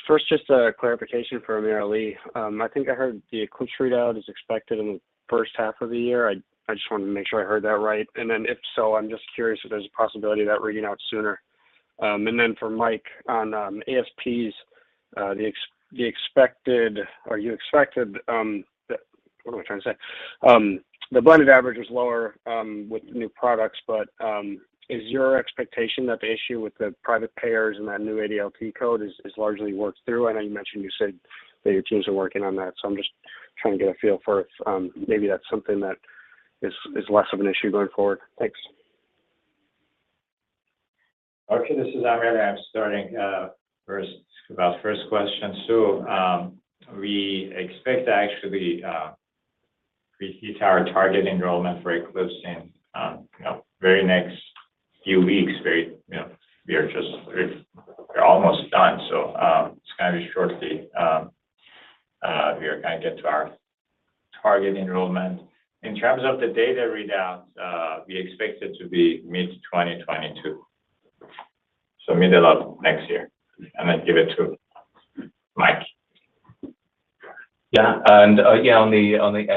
First, just a clarification for AmirAli. I think I heard the ECLIPSE readout is expected in the first half of the year. I just wanted to make sure I heard that right. If so, I'm just curious if there's a possibility of that reading out sooner. For Mike on ASPs, the expected blended average is lower with the new products, but is your expectation that the issue with the private payers and that new ADLT code is largely worked through? I know you mentioned you said that your teams are working on that, so I'm just trying to get a feel for if, maybe that's something that is less of an issue going forward. Thanks. Okay. This is Amir. I'm starting first about first question. We expect to actually reach our target enrollment for ECLIPSE in you know very next few weeks. Very you know we are just we're almost done. It's gonna be shortly we are gonna get to our target enrollment. In terms of the data readouts, we expect it to be mid-2022. Mid of next year. I'm gonna give it to Mike. On the ASPs, I mean,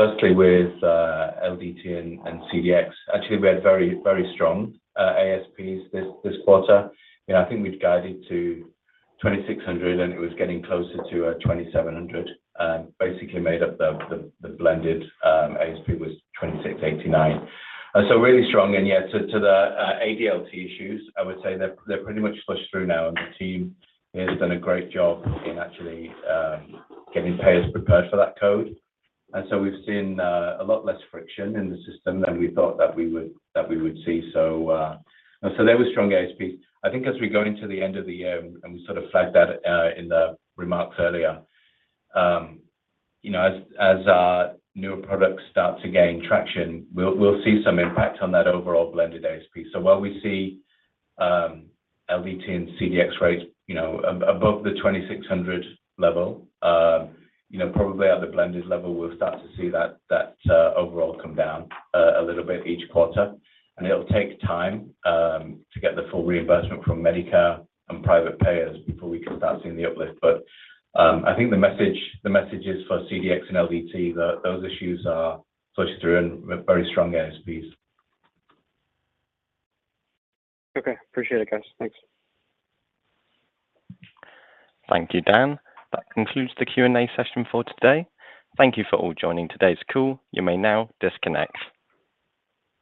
firstly with LDT and CDx, actually we had very strong ASPs this quarter. You know, I think we'd guided to $2,600, and it was getting closer to $2,700. Basically, the blended ASP was $2,689. So really strong. To the ADLT issues, I would say they're pretty much flushed through now. The team has done a great job in actually getting payers prepared for that code. We've seen a lot less friction in the system than we thought that we would see. There was strong ASPs. I think as we go into the end of the year, and we sort of flagged that in the remarks earlier, you know, as our newer products start to gain traction, we'll see some impact on that overall blended ASP. While we see LDT and CDX rates, you know, above the 2,600 level, you know, probably at the blended level, we'll start to see that overall come down a little bit each quarter. It'll take time to get the full reimbursement from Medicare and private payers before we can start seeing the uplift. I think the message is for CDX and LDT that those issues are flushed through and very strong ASPs. Okay. Appreciate it, guys. Thanks. Thank you, Dan. That concludes the Q&A session for today. Thank you for all joining today's call. You may now disconnect.